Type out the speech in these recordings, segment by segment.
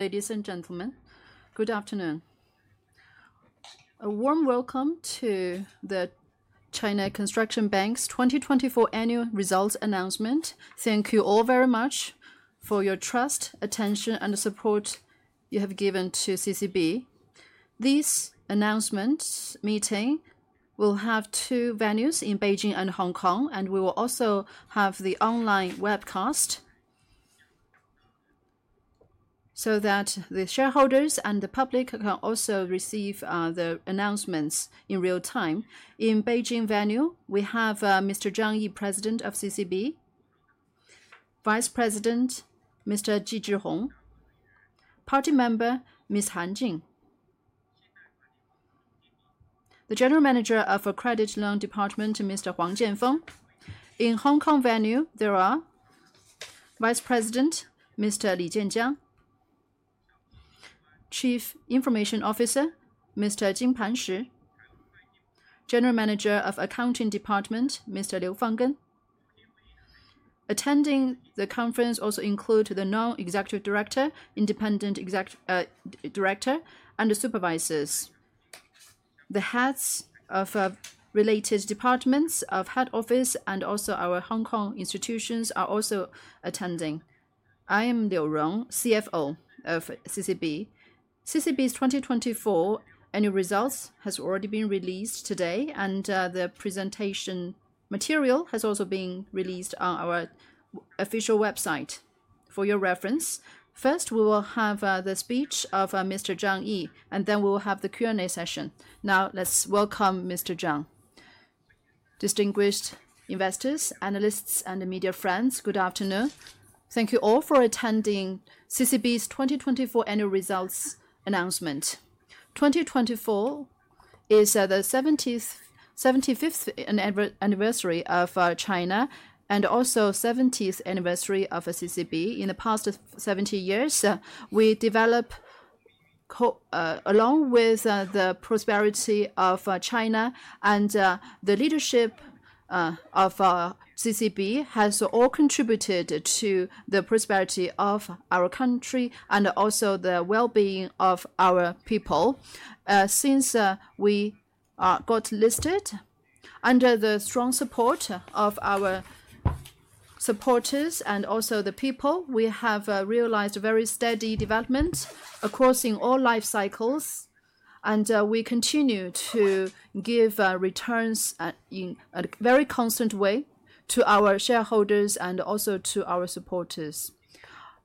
Ladies and gentlemen, good afternoon. A warm welcome to the China Construction Bank's 2024 annual results announcement. Thank you all very much for your trust, attention, and support you have given to CCB. This announcement meeting will have 2 venues in Beijing and Hong Kong, and we will also have the online webcast so that the shareholders and the public can also receive the announcements in real time. In Beijing venue, we have Mr. Zhang, President of CCB; Vice President, Mr. Ji Zhihong; Party Member, Ms. Han Jing; the General Manager of the Credit Loan Department, Mr. Huang Jianfeng. In Hong Kong venue, there are Vice President, Mr. Li Zhijiang; Chief Information Officer, Mr. Jing Panshi; General Manager of the Accounting Department, Mr. Liu Fanggen. Attending the conference also include the non-executive director, independent director, and the supervisors. The heads of related departments of head office and also our Hong Kong institutions are also attending. I am Liu Rong, CFO of CCB. CCB's 2024 annual results has already been released today, and the presentation material has also been released on our official website for your reference. First, we will have the speech of Mr. Zhang Yi, and then we will have the Q&A session. Now, let's welcome Mr. Zhang. Distinguished investors, analysts, and media friends, good afternoon. Thank you all for attending CCB's 2024 annual results announcement. 2024 is the 75th anniversary of China and also the 70th anniversary of CCB. In the past 70 years, we developed along with the prosperity of China, and the leadership of CCB has all contributed to the prosperity of our country and also the well-being of our people. Since we got listed, under the strong support of our supporters and also the people, we have realized very steady developments across all life cycles, and we continue to give returns in a very constant way to our shareholders and also to our supporters.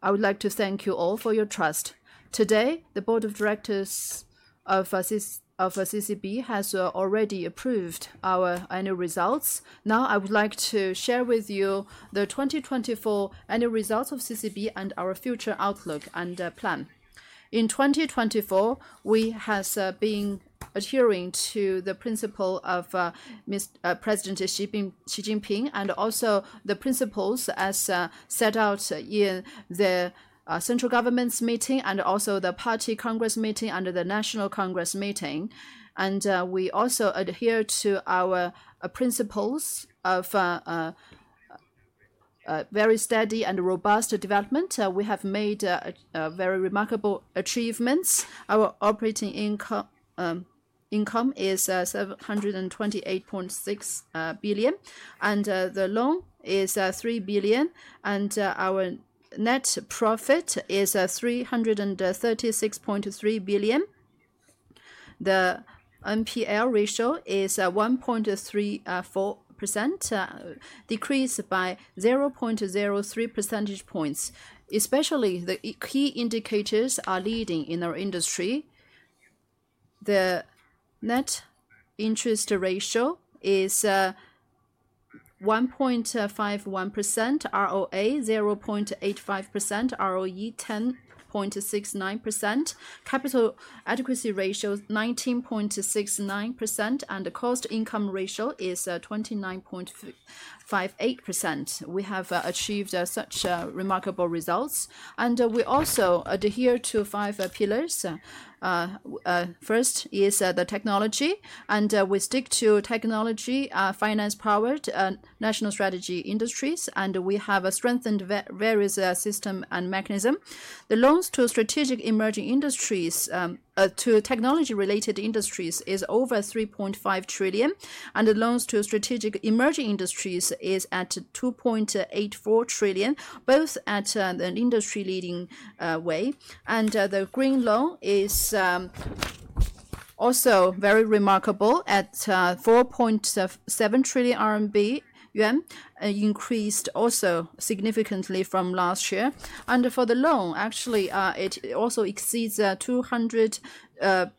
I would like to thank you all for your trust. Today, the Board of Directors of CCB has already approved our annual results. Now, I would like to share with you the 2024 annual results of CCB and our future outlook and plan. In 2024, we have been adhering to the principle of President Xi Jinping and also the principles set out in the central government's meeting and also the party congress meeting and the national congress meeting. We also adhere to our principles of very steady and robust development. We have made very remarkable achievements. Our operating income is 728.6 billion, and the loan is 3 billion, and our net profit is 336.3 billion. The NPL ratio is 1.34%, decreased by 0.03 percentage points. Especially, the key indicators are leading in our industry. The net interest ratio is 1.51%, ROA 0.85%, ROE 10.69%. Capital adequacy ratio is 19.69%, and the cost-income ratio is 29.58%. We have achieved such remarkable results, and we also adhere to five pillars. First is the technology, and we stick to technology, finance-powered national strategy industries, and we have strengthened various systems and mechanisms. The loans to strategic emerging industries, to technology-related industries, is over 3.5 trillion, and the loans to strategic emerging industries is at 2.84 trillion, both at an industry-leading way. The green loan is also very remarkable at 4.7 trillion yuan, increased also significantly from last year. For the loan, actually, it also exceeds 200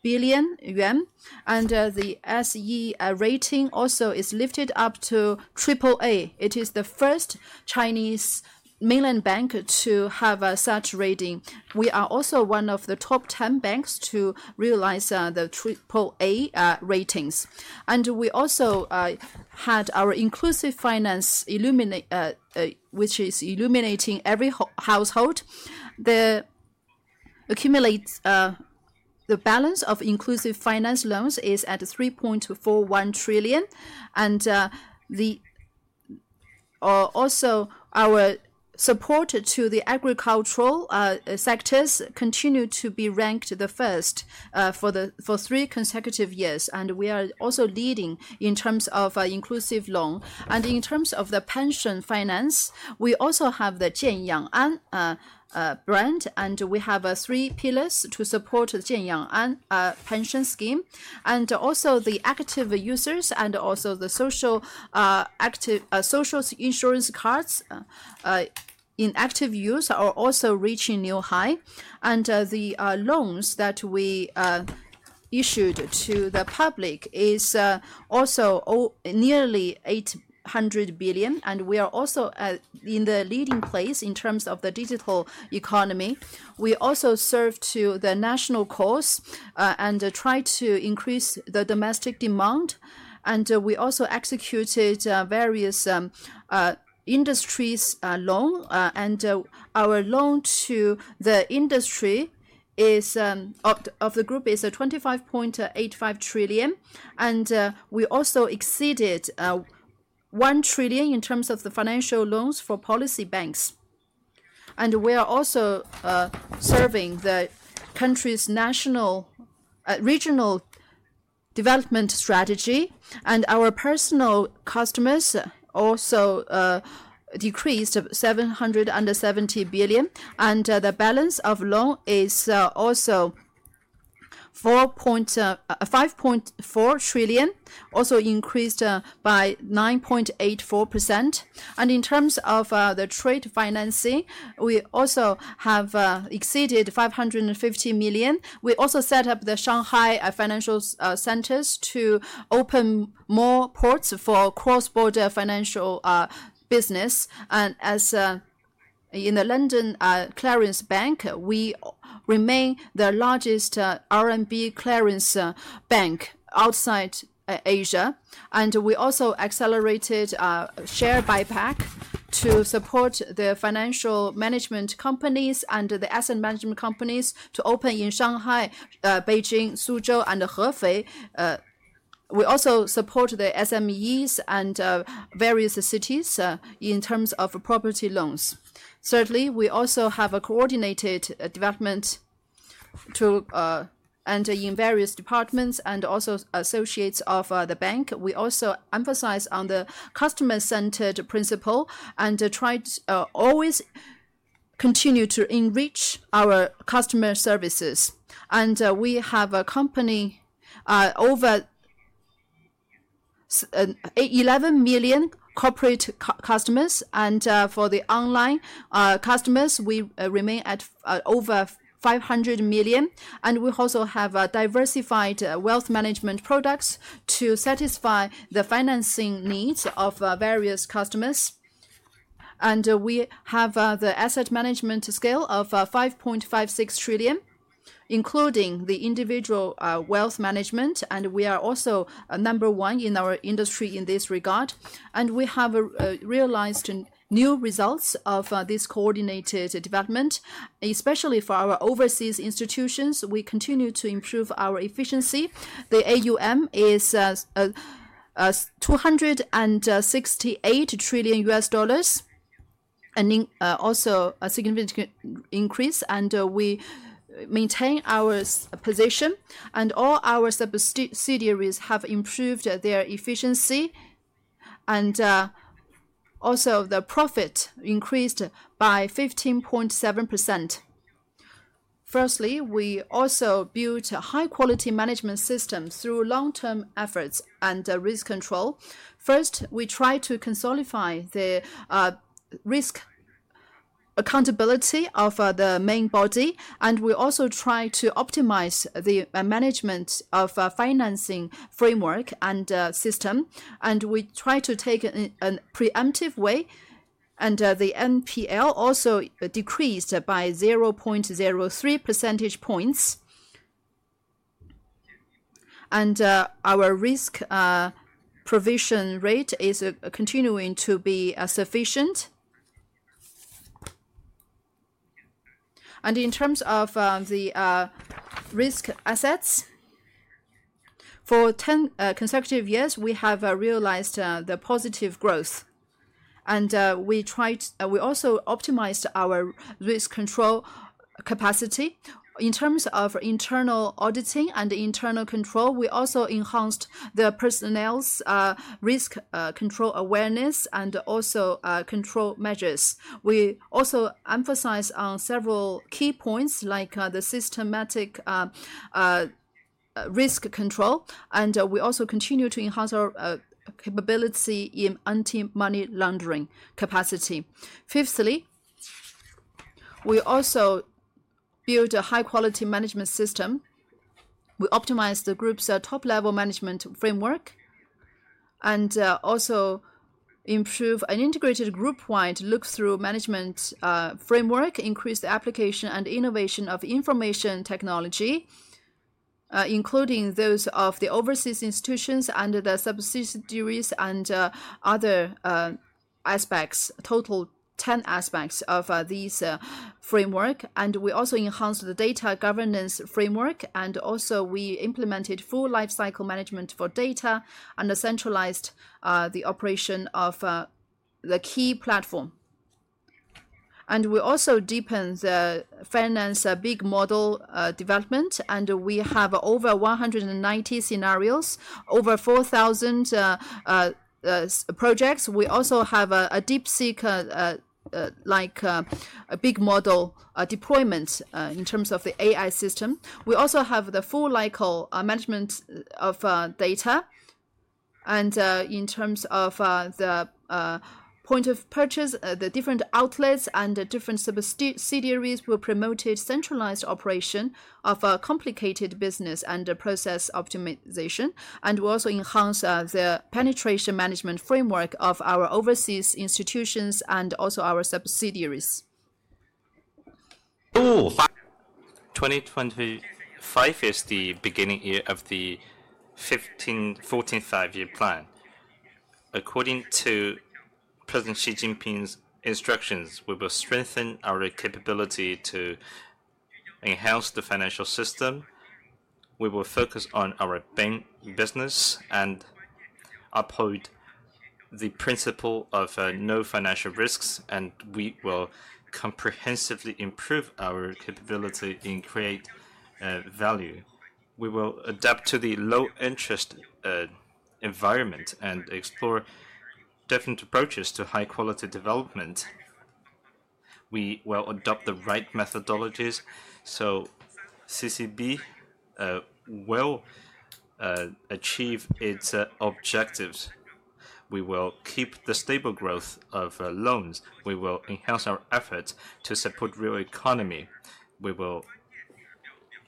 billion yuan, and the SE rating also is lifted up to AAA. It is the first Chinese mainland bank to have such rating. We are also one of the top 10 banks to realize the AAA ratings. We also had our inclusive finance, which is illuminating every household. The balance of inclusive finance loans is at 3.41 trillion, and also our support to the agricultural sectors continues to be ranked the first for three consecutive years, and we are also leading in terms of inclusive loan. In terms of the pension finance, we also have the Jian Yang An brand, and we have three pillars to support the Jian Yang An pension scheme. Also the active users and the social insurance cards in active use are also reaching new highs. The loans that we issued to the public are also nearly 800 billion, and we are also in the leading place in terms of the digital economy. We also serve to the national cause and try to increase the domestic demand, and we also executed various industries' loans, and our loan to the industry of the group is 25.85 trillion, and we also exceeded 1 trillion in terms of the financial loans for policy banks. We are also serving the country's regional development strategy, and our personal customers also decreased 770 billion, and the balance of loan is also 5.4 trillion, also increased by 9.84%. In terms of the trade financing, we also have exceeded 550 million. We also set up the Shanghai Financial Centers to open more ports for cross-border financial business. As in the London clearing bank, we remain the largest RMB clearing bank outside Asia, and we also accelerated share buyback to support the financial management companies and the asset management companies to open in Shanghai, Beijing, Suzhou, and Hefei. We also support the SMEs and various cities in terms of property loans. Certainly, we also have a coordinated development in various departments and also associates of the bank. We also emphasize the customer-centered principle and try to always continue to enrich our customer services. We have a company of 11 million corporate customers, and for the online customers, we remain at over 500 million. We also have diversified wealth management products to satisfy the financing needs of various customers. We have the asset management scale of 5.56 trillion, including the individual wealth management, and we are also number one in our industry in this regard. We have realized new results of this coordinated development, especially for our overseas institutions. We continue to improve our efficiency. The AUM is $268 billion, also a significant increase, and we maintain our position. All our subsidiaries have improved their efficiency, and also the profit increased by 15.7%. Firstly, we also built a high-quality management system through long-term efforts and risk control. First, we try to consolidate the risk accountability of the main body, and we also try to optimize the management of financing framework and system. We try to take a preemptive way, and the NPL also decreased by 0.03 percentage points. Our risk provision rate is continuing to be sufficient. In terms of the risk assets, for 10 consecutive years, we have realized the positive growth. We also optimized our risk control capacity. In terms of internal auditing and internal control, we also enhanced the personnel's risk control awareness and also control measures. We also emphasize on several key points like the systematic risk control, and we also continue to enhance our capability in anti-money laundering capacity. Fifthly, we also built a high-quality management system. We optimized the group's top-level management framework and also improved an integrated group-wide look-through management framework, increased the application and innovation of information technology, including those of the overseas institutions and the subsidiaries and other aspects, total 10 aspects of this framework. We also enhanced the data governance framework, and also we implemented full lifecycle management for data and centralized the operation of the key platform. We also deepened the finance big model development, and we have over 190 scenarios, over 4,000 projects. We also have a DeepSeek-like big model deployment in terms of the AI system. We also have the full local management of data. In terms of the point of purchase, the different outlets and different subsidiaries promoted centralized operation of complicated business and process optimization. We also enhanced the penetration management framework of our overseas institutions and also our subsidiaries. 2025 is the beginning year of the 14th five-year plan. According to President Xi Jinping's instructions, we will strengthen our capability to enhance the financial system. We will focus on our bank business and uphold the principle of no financial risks, and we will comprehensively improve our capability and create value. We will adapt to the low-interest environment and explore different approaches to high-quality development. We will adopt the right methodologies, so CCB will achieve its objectives. We will keep the stable growth of loans. We will enhance our efforts to support the real economy. We will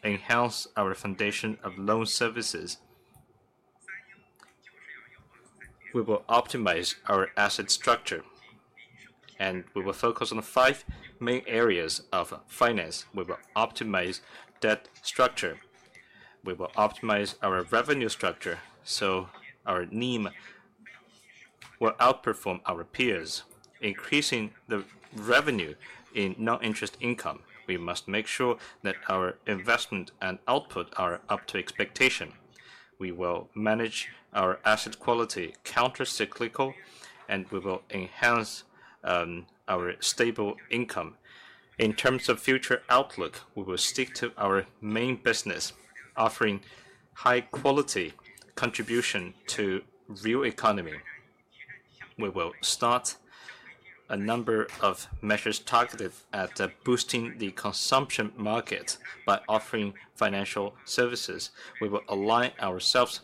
enhance our foundation of loan services. We will optimize our asset structure, and we will focus on the five main areas of finance. We will optimize debt structure. We will optimize our revenue structure so our NIM will outperform our peers, increasing the revenue in non-interest income. We must make sure that our investment and output are up to expectation. We will manage our asset quality counter-cyclical, and we will enhance our stable income. In terms of future outlook, we will stick to our main business, offering high-quality contribution to the real economy. We will start a number of measures targeted at boosting the consumption market by offering financial services. We will align ourselves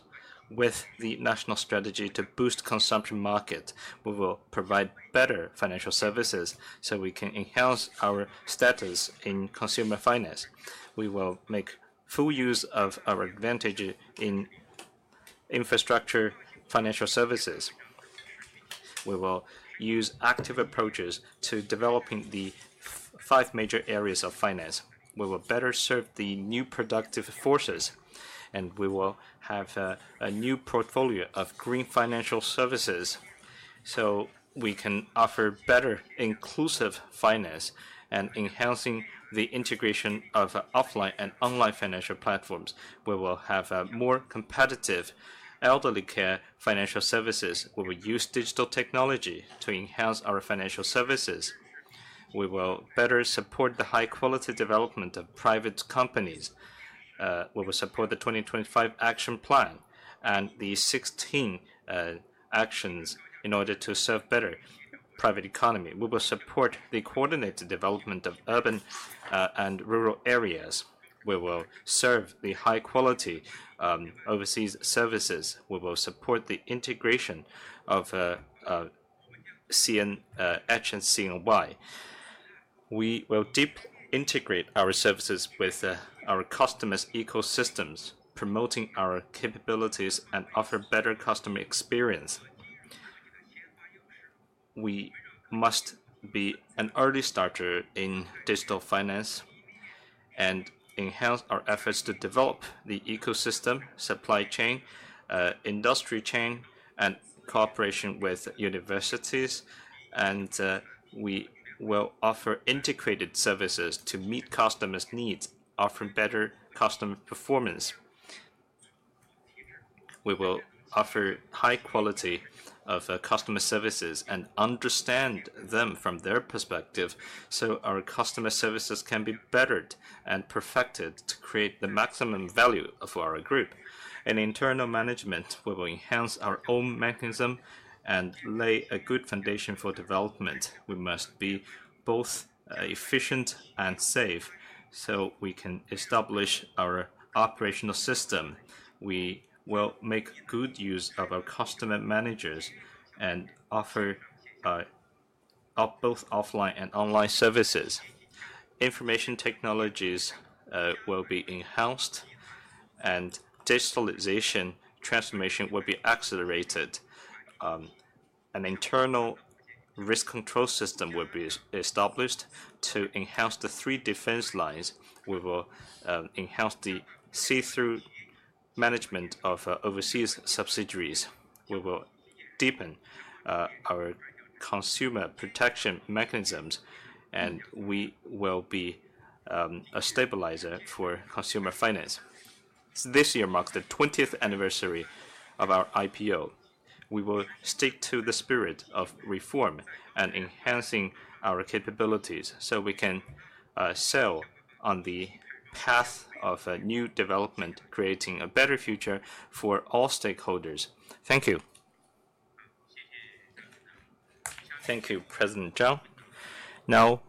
with the national strategy to boost the consumption market. We will provide better financial services so we can enhance our status in consumer finance. We will make full use of our advantage in infrastructure financial services. We will use active approaches to developing the five major areas of finance. We will better serve the new productive forces, and we will have a new portfolio of green financial services so we can offer better inclusive finance and enhancing the integration of offline and online financial platforms. We will have more competitive elderly care financial services. We will use digital technology to enhance our financial services. We will better support the high-quality development of private companies. We will support the 2025 action plan and the 16 actions in order to serve better the private economy. We will support the coordinated development of urban and rural areas. We will serve the high-quality overseas services. We will support the integration of CNH and CNY. We will deeply integrate our services with our customers' ecosystems, promoting our capabilities and offering a better customer experience. We must be an early starter in digital finance and enhance our efforts to develop the ecosystem, supply chain, industry chain, and cooperation with universities. We will offer integrated services to meet customers' needs, offering better customer performance. We will offer high-quality customer services and understand them from their perspective so our customer services can be bettered and perfected to create the maximum value for our group. In internal management, we will enhance our own mechanism and lay a good foundation for development. We must be both efficient and safe so we can establish our operational system. We will make good use of our customer managers and offer both offline and online services. Information technologies will be enhanced, and digitalization transformation will be accelerated. An internal risk control system will be established to enhance the three defense lines. We will enhance the see-through management of overseas subsidiaries. We will deepen our consumer protection mechanisms, and we will be a stabilizer for consumer finance. This year marks the 20th anniversary of our IPO. We will stick to the spirit of reform and enhancing our capabilities so we can sail on the path of new development, creating a better future for all stakeholders. Thank you. Thank you, President Zhang. Now,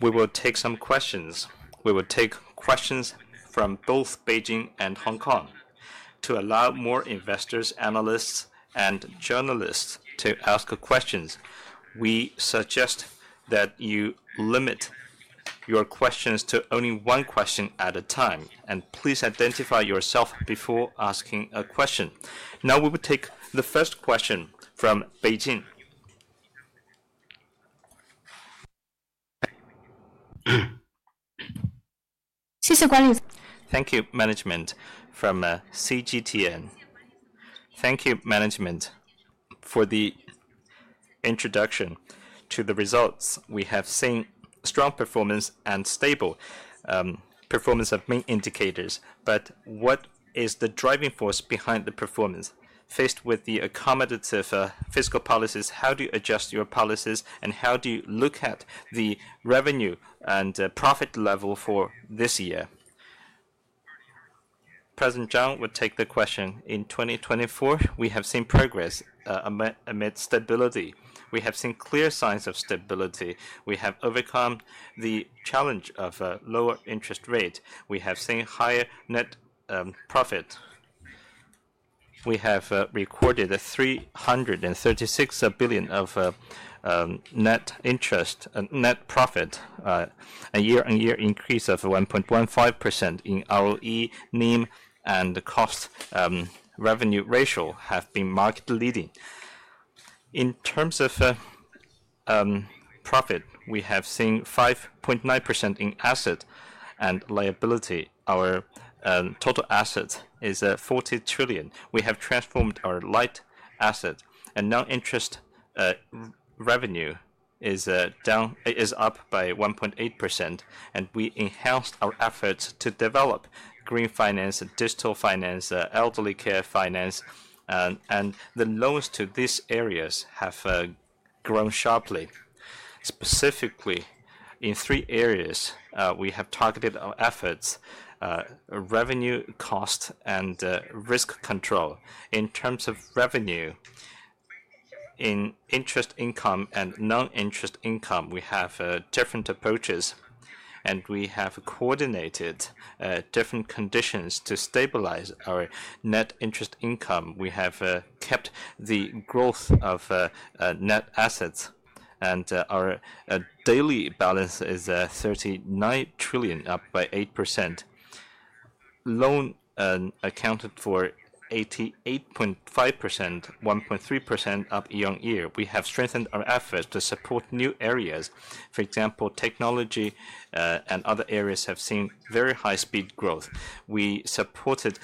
we will take some questions. We will take questions from both Beijing and Hong Kong. To allow more investors, analysts, and journalists to ask questions, we suggest that you limit your questions to only one question at a time, and please identify yourself before asking a question. Now, we will take the first question from Beijing. Thank you, management from CGTN. Thank you, management, for the introduction to the results. We have seen strong performance and stable performance of main indicators. What is the driving force behind the performance? Faced with the accommodative fiscal policies, how do you adjust your policies, and how do you look at the revenue and profit level for this year? President Zhang will take the question. In 2024, we have seen progress amid stability. We have seen clear signs of stability. We have overcome the challenge of a lower interest rate. We have seen higher net profit. We have recorded a 336 billion of net profit, a year-on-year increase of 1.15%. ROE, NIM, and the cost-revenue ratio have been markedly leading. In terms of profit, we have seen 5.9% in asset and liability. Our total asset is 40 trillion. We have transformed our light asset, and non-interest revenue is up by 1.8%. We enhanced our efforts to develop green finance, digital finance, elderly care finance, and the loans to these areas have grown sharply. Specifically, in three areas, we have targeted our efforts: revenue, cost, and risk control. In terms of revenue, in interest income and non-interest income, we have different approaches, and we have coordinated different conditions to stabilize our net interest income. We have kept the growth of net assets, and our daily balance is 39 trillion, up by 8%. Loan accounted for 88.5%, 1.3% up year on year. We have strengthened our efforts to support new areas. For example, technology and other areas have seen very high-speed growth. We supported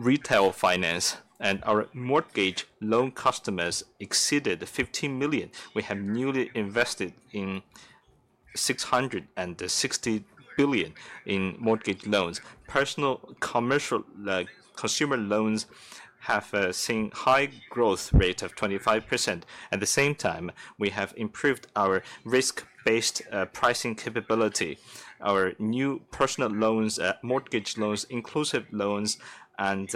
retail finance, and our mortgage loan customers exceeded 15 million. We have newly invested in 660 billion in mortgage loans. Personal commercial consumer loans have seen a high growth rate of 25%. At the same time, we have improved our risk-based pricing capability. Our new personal mortgage loans, inclusive loans, and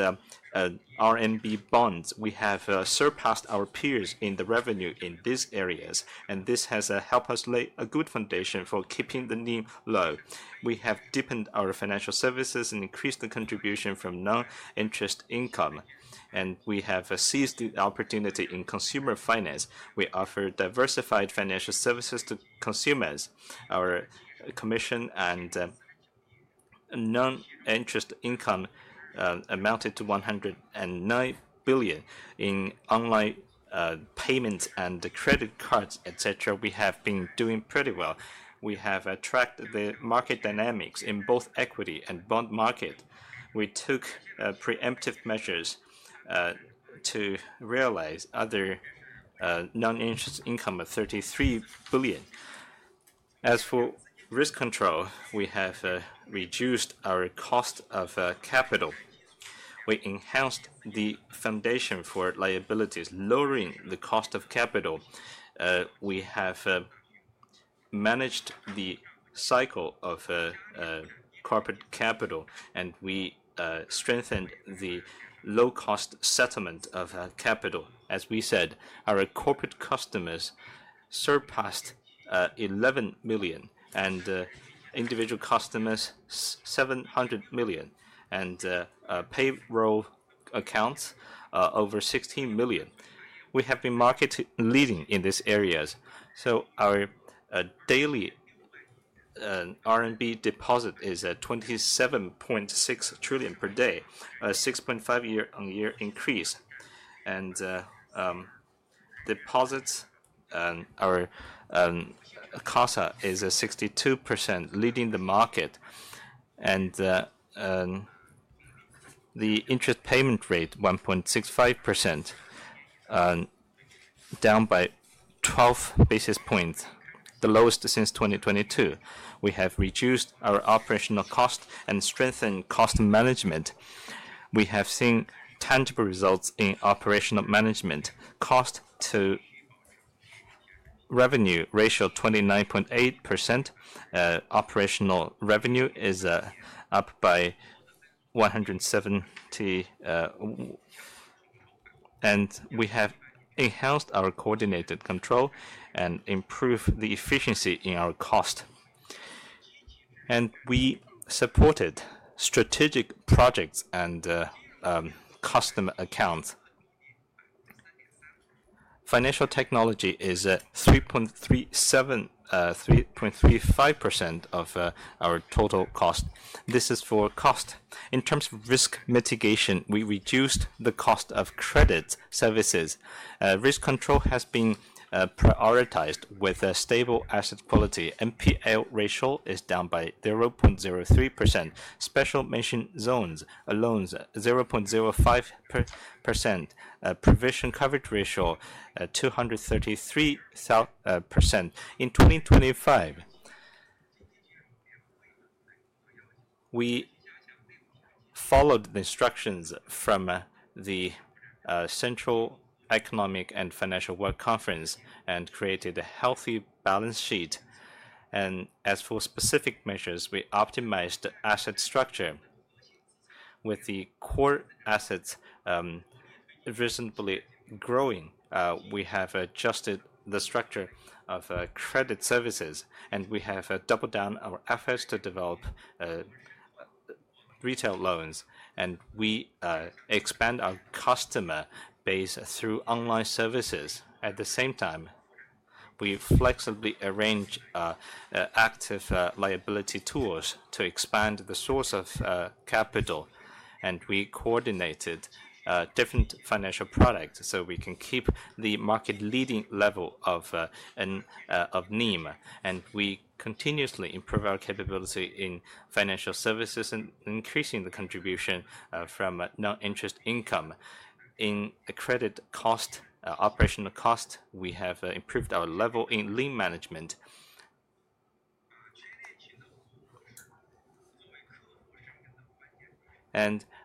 RMB bonds, we have surpassed our peers in the revenue in these areas, and this has helped us lay a good foundation for keeping the NIM low. We have deepened our financial services and increased the contribution from non-interest income, and we have seized the opportunity in consumer finance. We offer diversified financial services to consumers. Our commission and non-interest income amounted to 109 billion in online payments and credit cards, etc. We have been doing pretty well. We have tracked the market dynamics in both equity and bond market. We took preemptive measures to realize other non-interest income of 33 billion. As for risk control, we have reduced our cost of capital. We enhanced the foundation for liabilities, lowering the cost of capital. We have managed the cycle of corporate capital, and we strengthened the low-cost settlement of capital. As we said, our corporate customers surpassed 11 million, and individual customers 700 million, and payroll accounts over 16 million. We have been market-leading in these areas. Our daily RMB deposit is 27.6 trillion per day, a 6.5% year-on-year increase. Deposits, our CASA is 62%, leading the market. The interest payment rate, 1.65%, down by 12 basis points, the lowest since 2022. We have reduced our operational cost and strengthened cost management. We have seen tangible results in operational management. Cost-to-revenue ratio is 29.8%. Operational revenue is up by 170. We have enhanced our coordinated control and improved the efficiency in our cost. We supported strategic projects and customer accounts. Financial technology is 3.35% of our total cost. This is for cost. In terms of risk mitigation, we reduced the cost of credit services. Risk control has been prioritized with stable asset quality. NPL ratio is down by 0.03%. Special mention zones alone, 0.05%. Provision coverage ratio, 233%. In 2025, we followed the instructions from the Central Economic and Financial World Conference and created a healthy balance sheet. As for specific measures, we optimized the asset structure. With the core assets reasonably growing, we have adjusted the structure of credit services, and we have doubled down our efforts to develop retail loans. We expand our customer base through online services. At the same time, we flexibly arrange active liability tools to expand the source of capital. We coordinated different financial products so we can keep the market-leading level of NIM. We continuously improve our capability in financial services and increasing the contribution from non-interest income. In credit cost, operational cost, we have improved our level in lien management.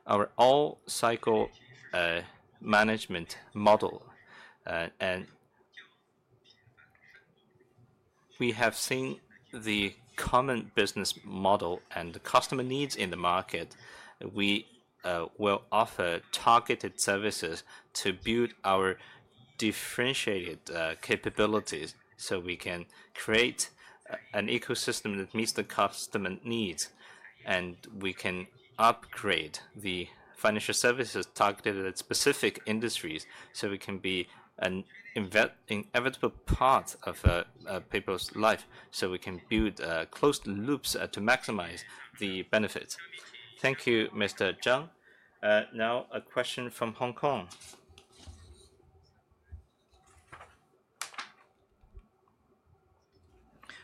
Our all-cycle management model. We have seen the common business model and customer needs in the market. We will offer targeted services to build our differentiated capabilities so we can create an ecosystem that meets the customer needs. We can upgrade the financial services targeted at specific industries so we can be an inevitable part of people's lives so we can build closed loops to maximize the benefits. Thank you, Mr. Zhang. Now, a question from Hong Kong.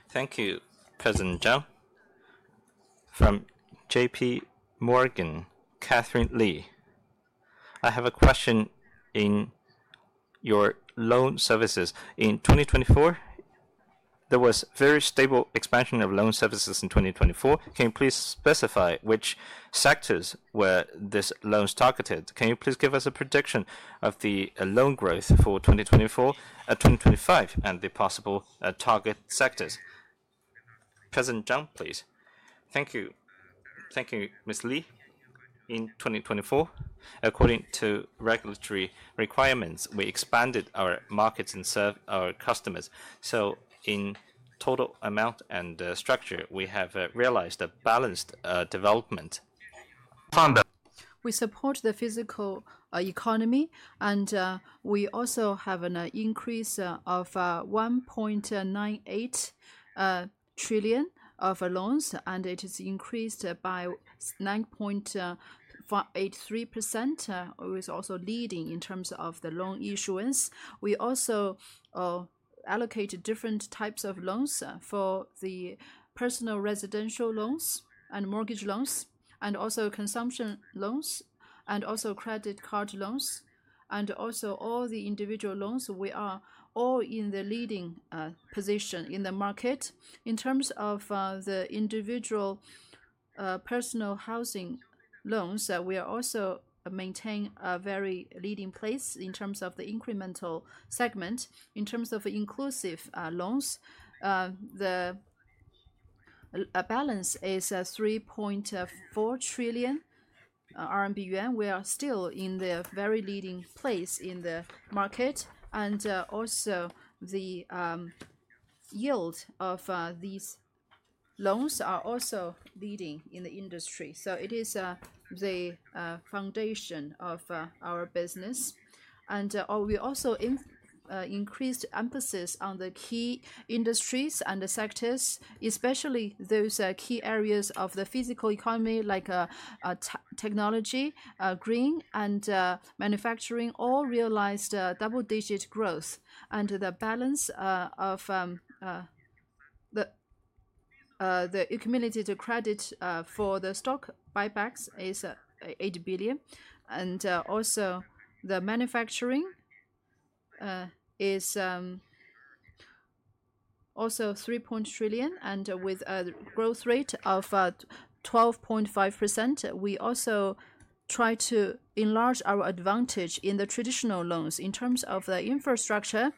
Thank you, President Zhang. From J.P. Morgan, Catherine Li. I have a question in your loan services. In 2024, there was very stable expansion of loan services in 2024. Can you please specify which sectors were these loans targeted? Can you please give us a prediction of the loan growth for 2024 and 2025 and the possible target sectors? President Zhang, please. Thank you. Thank you, Ms. Li. In 2024, according to regulatory requirements, we expanded our markets and served our customers. In total amount and structure, we have realized a balanced development. We support the physical economy, and we also have an increase of 1.98 trillion of loans, and it is increased by 9.83%. It was also leading in terms of the loan issuance. We also allocated different types of loans for the personal residential loans and mortgage loans. Also consumption loans and also credit card loans. Also all the individual loans, we are all in the leading position in the market. In terms of the individual personal housing loans, we are also maintaining a very leading place in terms of the incremental segment. In terms of inclusive loans, the balance is 3.4 trillion yuan. We are still in the very leading place in the market. Also, the yield of these loans is also leading in the industry. It is the foundation of our business. We also increased emphasis on the key industries and the sectors, especially those key areas of the physical economy like technology, green, and manufacturing, all realized double-digit growth. The balance of the accumulated credit for the stock buybacks is 8 billion. Also, the manufacturing is 3.3 trillion. With a growth rate of 12.5%, we also try to enlarge our advantage in the traditional loans in terms of the infrastructure,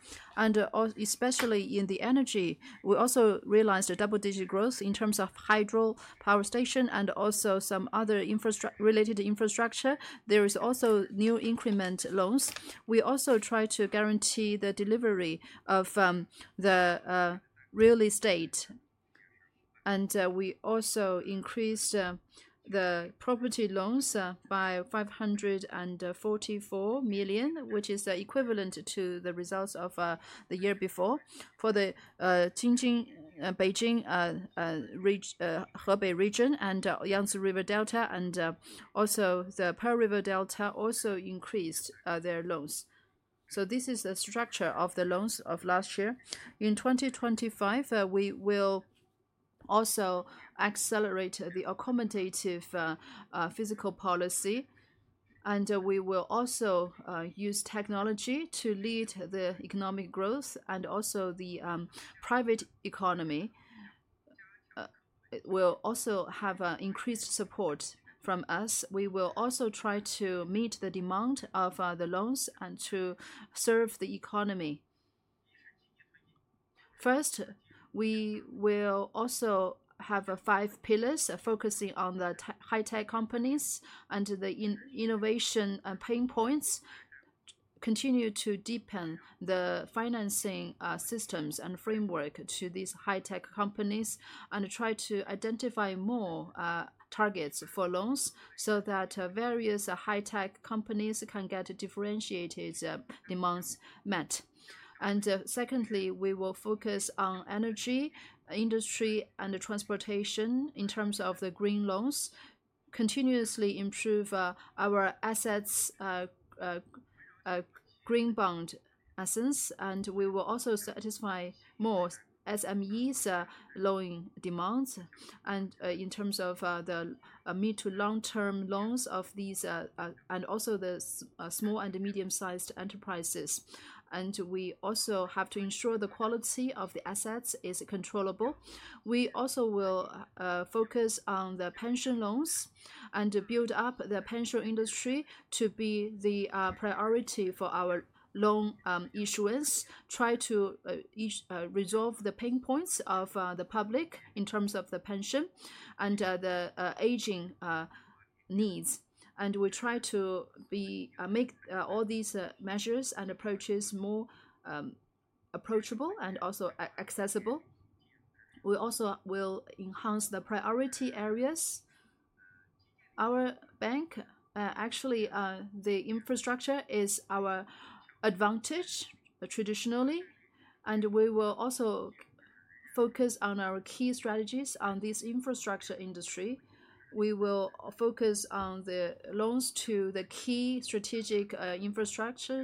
especially in the energy. We also realized a double-digit growth in terms of hydro power station and also some other related infrastructure. There is also new increment loans. We also try to guarantee the delivery of the real estate. We also increased the property loans by 544 million, which is equivalent to the results of the year before for the Beijing-Hebei region and Yangtze River Delta. The Pearl River Delta also increased their loans. This is the structure of the loans of last year. In 2025, we will also accelerate the accommodative physical policy. We will also use technology to lead the economic growth and the private economy. We will also have increased support from us. We will also try to meet the demand of the loans and to serve the economy. First, we will also have five pillars focusing on the high-tech companies and the innovation pain points, continue to deepen the financing systems and framework to these high-tech companies, and try to identify more targets for loans so that various high-tech companies can get differentiated demands met. Secondly, we will focus on energy industry and transportation in terms of the green loans, continuously improve our assets, green bond assets. We will also satisfy more SMEs' loan demands. In terms of the mid to long-term loans of these and also the small and medium-sized enterprises. We also have to ensure the quality of the assets is controllable. We also will focus on the pension loans and build up the pension industry to be the priority for our loan issuance, try to resolve the pain points of the public in terms of the pension and the aging needs. We try to make all these measures and approaches more approachable and also accessible. We also will enhance the priority areas. Our bank, actually, the infrastructure is our advantage traditionally. We will also focus on our key strategies on this infrastructure industry. We will focus on the loans to the key strategic infrastructure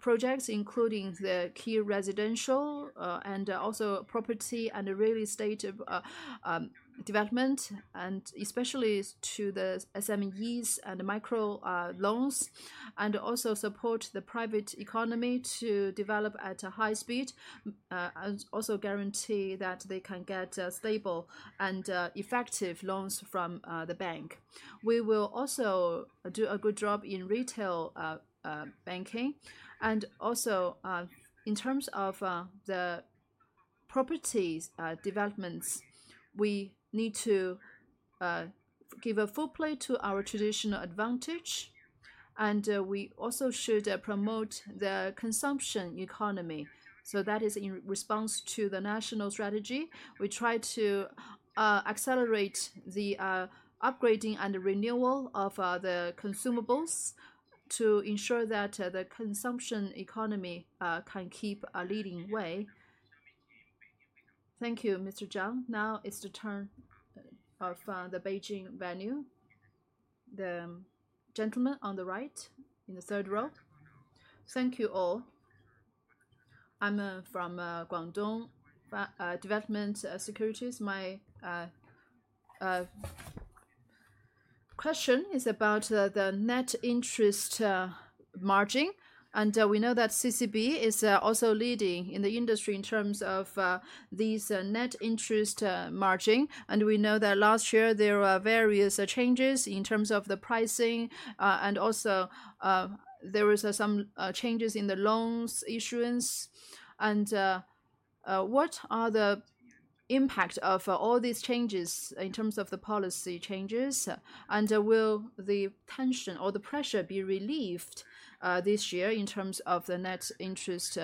projects, including the key residential and also property and real estate development, especially to the SMEs and micro loans, and also support the private economy to develop at a high speed and also guarantee that they can get stable and effective loans from the bank. We will also do a good job in retail banking. Also, in terms of the property developments, we need to give full play to our traditional advantage. We also should promote the consumption economy. That is in response to the national strategy. We try to accelerate the upgrading and renewal of the consumables to ensure that the consumption economy can keep a leading way. Thank you, Mr. Zhang. Now is the turn of the Beijing venue. The gentleman on the right in the third row. Thank you all. I'm from Guangdong Development Securities. My question is about the net interest margin. We know that CCB is also leading in the industry in terms of these net interest margin. We know that last year, there were various changes in terms of the pricing. There were some changes in the loans issuance. What are the impacts of all these changes in terms of the policy changes? Will the tension or the pressure be relieved this year in terms of the net interest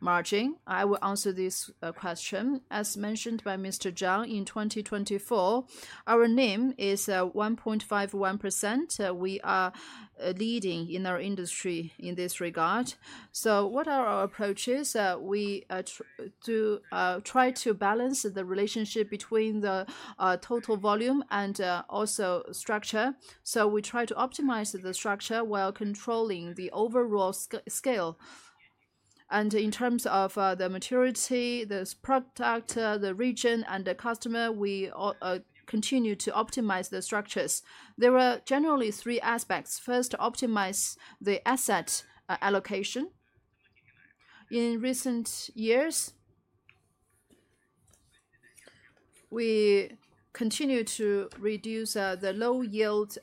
margin? I will answer this question. As mentioned by Mr. In 2024, our NIM is 1.51%. We are leading in our industry in this regard. What are our approaches? We try to balance the relationship between the total volume and also structure. We try to optimize the structure while controlling the overall scale. In terms of the maturity, the product, the region, and the customer, we continue to optimize the structures. There are generally three aspects. First, optimize the asset allocation. In recent years, we continue to reduce the low yield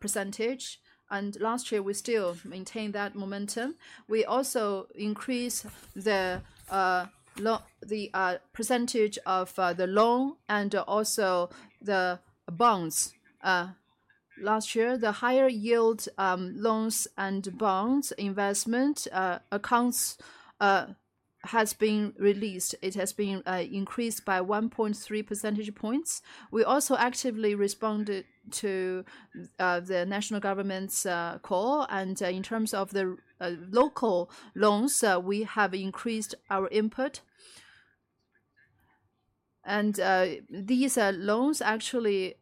percentage. Last year, we still maintained that momentum. We also increased the percentage of the loan and also the bonds. Last year, the higher yield loans and bonds investment accounts have been released. It has been increased by 1.3 percentage points. We also actively responded to the national government's call. In terms of the local loans, we have increased our input. These loans actually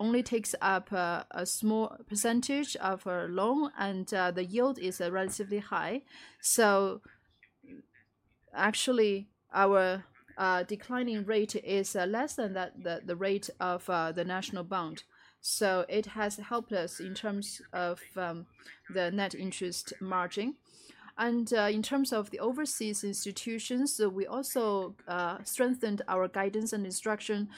only take up a small percentage of our loan, and the yield is relatively high. Actually, our declining rate is less than the rate of the national bond. It has helped us in terms of the net interest margin. In terms of the overseas institutions, we also strengthened our guidance and instruction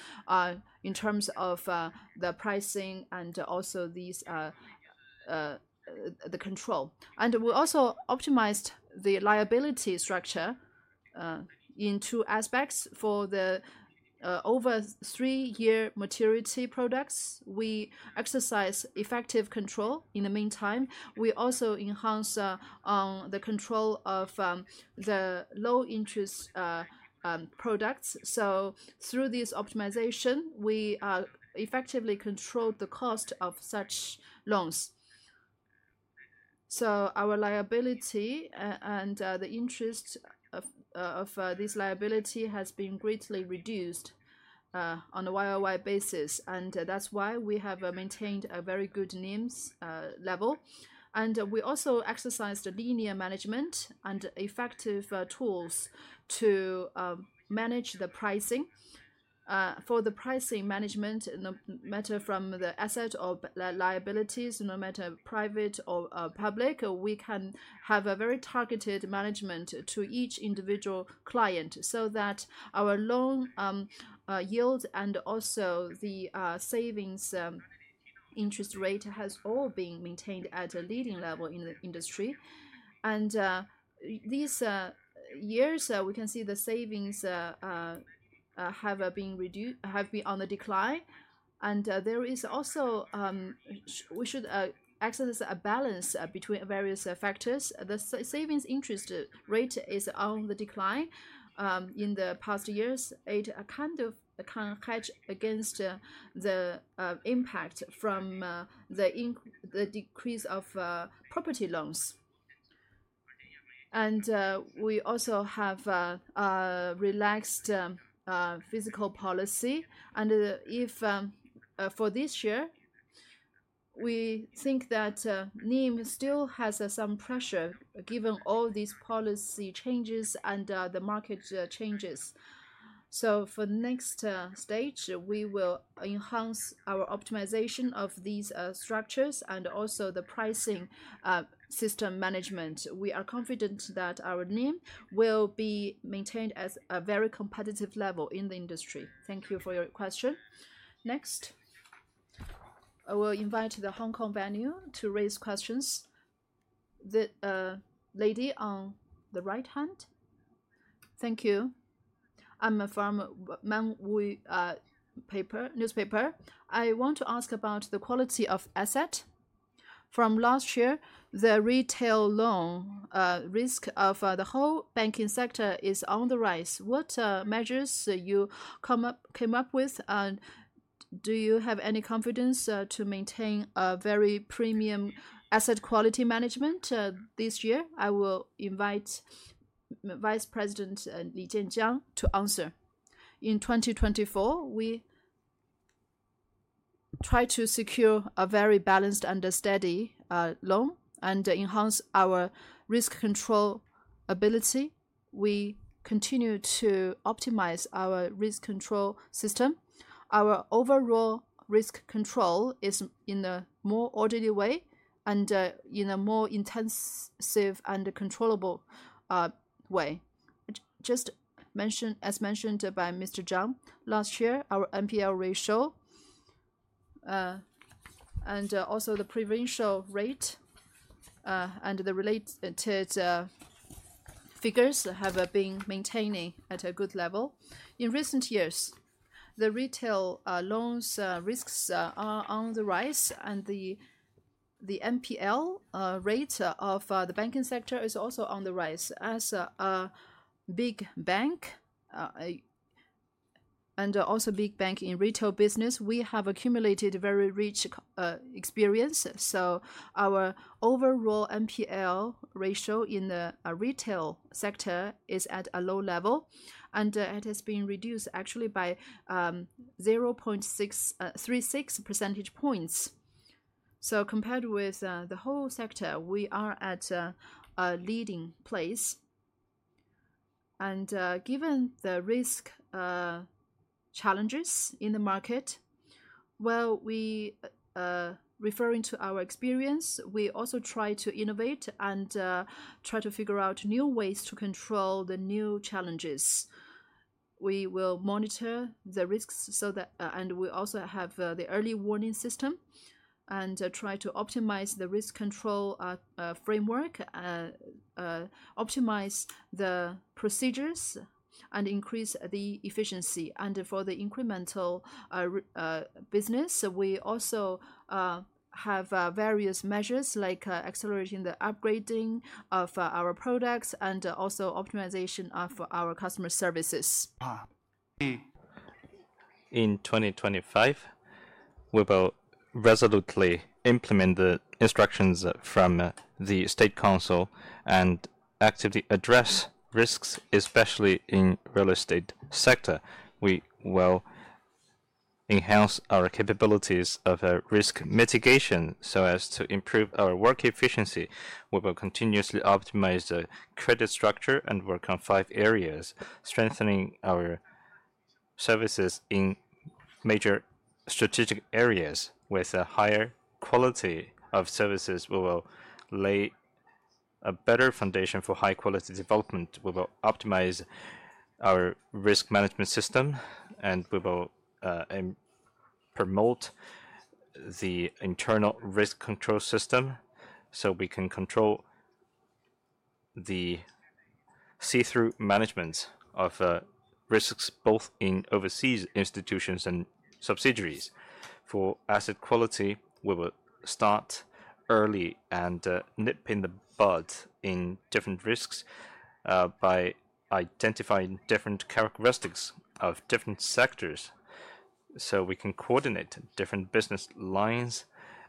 in terms of the pricing and also the control. We also optimized the liability structure in two aspects. For the over three-year maturity products, we exercise effective control. In the meantime, we also enhance the control of the low-interest products. Through this optimization, we effectively control the cost of such loans. Our liability and the interest of this liability has been greatly reduced on a year-on-year basis. That is why we have maintained a very good NIM level. We also exercise the linear management and effective tools to manage the pricing. For the pricing management, no matter from the asset or liabilities, no matter private or public, we can have a very targeted management to each individual client so that our loan yield and also the savings interest rate has all been maintained at a leading level in the industry. These years, we can see the savings have been on the decline. There is also a need to access a balance between various factors. The savings interest rate is on the decline in the past years. It kind of can hedge against the impact from the decrease of property loans. We also have relaxed physical policy. For this year, we think that NIM still has some pressure given all these policy changes and the market changes. For the next stage, we will enhance our optimization of these structures and also the pricing system management. We are confident that our NIM will be maintained at a very competitive level in the industry. Thank you for your question. Next, I will invite the Hong Kong venue to raise questions. The lady on the right hand. Thank you. I'm from Mang Wui Newspaper. I want to ask about the quality of asset. From last year, the retail loan risk of the whole banking sector is on the rise. What measures came up with? Do you have any confidence to maintain a very premium asset quality management this year? I will invite Vice President Li Jianjiang to answer. In 2024, we try to secure a very balanced and steady loan and enhance our risk control ability. We continue to optimize our risk control system. Our overall risk control is in a more orderly way and in a more intensive and controllable way. Just as mentioned by Mr. Zhang, last year, our NPL ratio and also the provincial rate and the related figures have been maintaining at a good level. In recent years, the retail loans risks are on the rise. The NPL rate of the banking sector is also on the rise. As a big bank and also a big bank in retail business, we have accumulated very rich experience. Our overall NPL ratio in the retail sector is at a low level. It has been reduced actually by 0.36 percentage points. Compared with the whole sector, we are at a leading place. Given the risk challenges in the market, while we are referring to our experience, we also try to innovate and try to figure out new ways to control the new challenges. We will monitor the risks and we also have the early warning system and try to optimize the risk control framework, optimize the procedures, and increase the efficiency. For the incremental business, we also have various measures like accelerating the upgrading of our products and also optimization of our customer services. In 2025, we will resolutely implement the instructions from the State Council and actively address risks, especially in the real estate sector. We will enhance our capabilities of risk mitigation so as to improve our work efficiency. We will continuously optimize the credit structure and work on five areas, strengthening our services in major strategic areas with a higher quality of services. We will lay a better foundation for high-quality development. We will optimize our risk management system, and we will promote the internal risk control system so we can control the see-through management of risks both in overseas institutions and subsidiaries. For asset quality, we will start early and nip in the bud in different risks by identifying different characteristics of different sectors so we can coordinate different business lines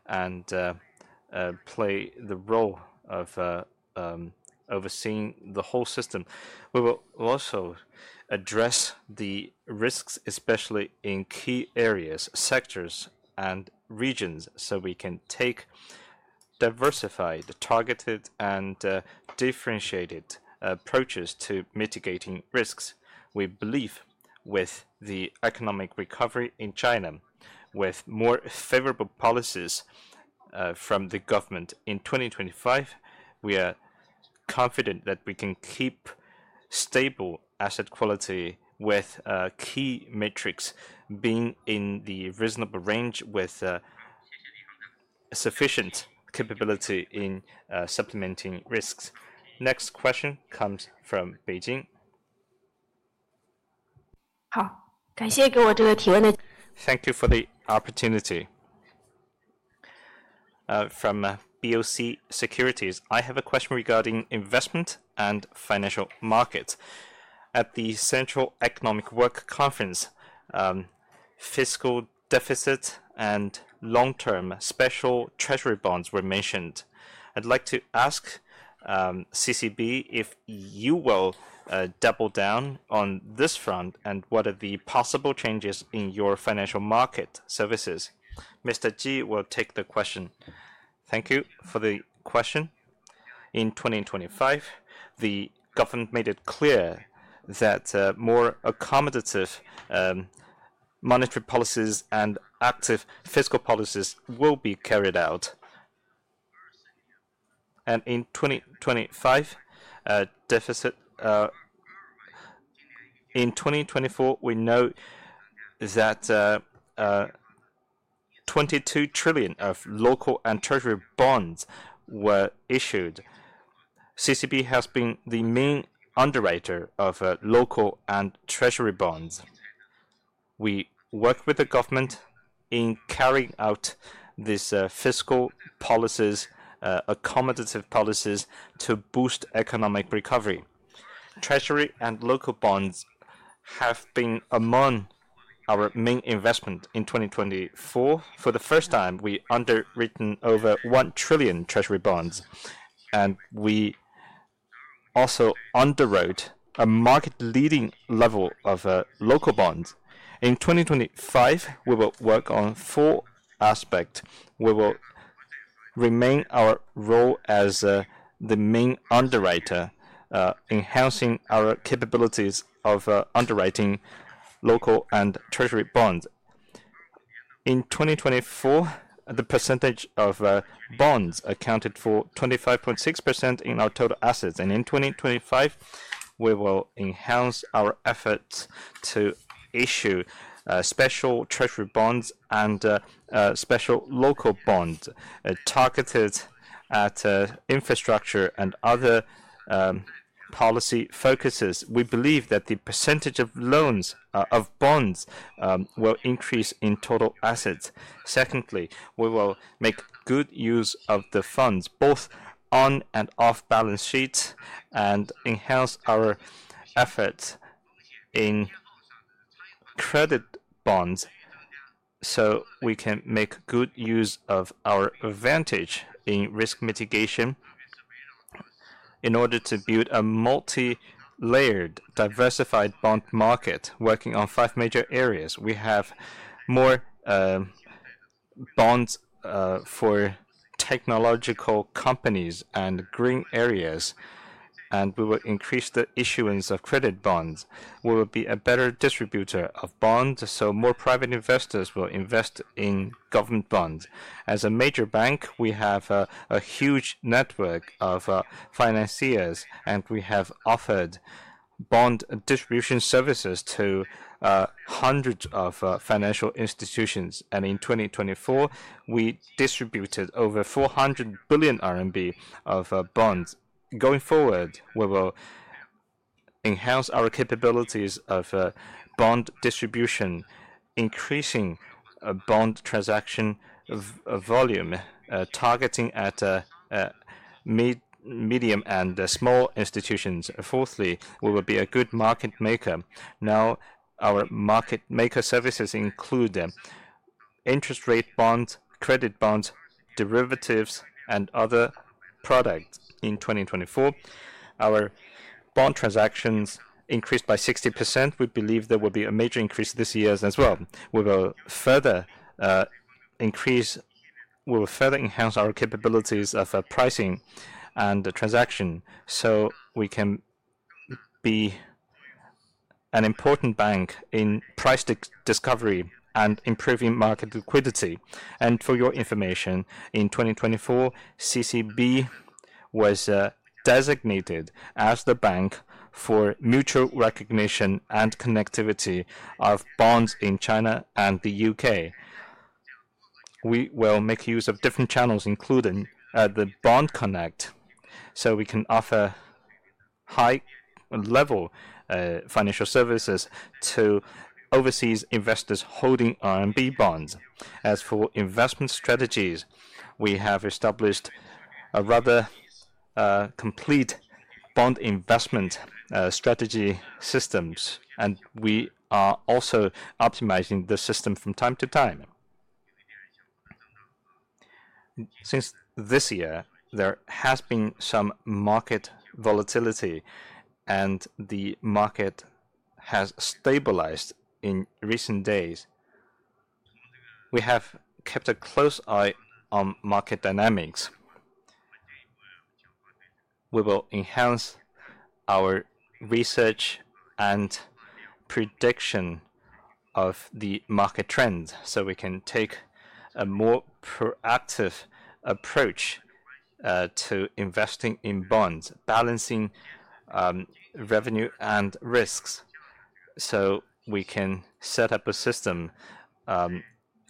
and play the role of overseeing the whole system. We will also address the risks, especially in key areas, sectors, and regions so we can diversify the targeted and differentiated approaches to mitigating risks. We believe with the economic recovery in China, with more favorable policies from the government in 2025, we are confident that we can keep stable asset quality with key metrics being in the reasonable range with sufficient capability in supplementing risks. Next question comes from Beijing. Thank you for the opportunity. From BOC Securities, I have a question regarding investment and financial markets. At the Central Economic Work Conference, fiscal deficit and long-term special treasury bonds were mentioned. I'd like to ask CCB if you will double down on this front and what are the possible changes in your financial market services. Mr. Ji will take the question. Thank you for the question. In 2025, the government made it clear that more accommodative monetary policies and active fiscal policies will be carried out. In 2024, we know that 22 trillion of local and treasury bonds were issued. CCB has been the main underwriter of local and treasury bonds. We work with the government in carrying out these fiscal policies, accommodative policies to boost economic recovery. Treasury and local bonds have been among our main investments. In 2024, for the first time, we underwritten over 1 trillion treasury bonds. We also underwrote a market-leading level of local bonds. In 2025, we will work on four aspects. We will remain our role as the main underwriter, enhancing our capabilities of underwriting local and treasury bonds. In 2024, the percentage of bonds accounted for 25.6% in our total assets. In 2025, we will enhance our efforts to issue special treasury bonds and special local bonds targeted at infrastructure and other policy focuses. We believe that the percentage of loans of bonds will increase in total assets. Secondly, we will make good use of the funds both on and off balance sheets and enhance our efforts in credit bonds so we can make good use of our advantage in risk mitigation in order to build a multi-layered, diversified bond market working on 5 major areas. We have more bonds for technological companies and green areas, and we will increase the issuance of credit bonds. We will be a better distributor of bonds, so more private investors will invest in government bonds. As a major bank, we have a huge network of financiers, and we have offered bond distribution services to hundreds of financial institutions. In 2024, we distributed over 400 billion RMB of bonds. Going forward, we will enhance our capabilities of bond distribution, increasing bond transaction volume, targeting at medium and small institutions. Fourthly, we will be a good market maker. Now, our market maker services include interest rate bonds, credit bonds, derivatives, and other products. In 2024, our bond transactions increased by 60%. We believe there will be a major increase this year as well. We will further enhance our capabilities of pricing and transaction so we can be an important bank in price discovery and improving market liquidity. For your information, in 2024, CCB was designated as the bank for mutual recognition and connectivity of bonds in China and the U.K. We will make use of different channels, including the Bond Connect, so we can offer high-level financial services to overseas investors holding RMB bonds. As for investment strategies, we have established a rather complete bond investment strategy systems, and we are also optimizing the system from time to time. Since this year, there has been some market volatility, and the market has stabilized in recent days. We have kept a close eye on market dynamics. We will enhance our research and prediction of the market trends so we can take a more proactive approach to investing in bonds, balancing revenue and risks so we can set up a system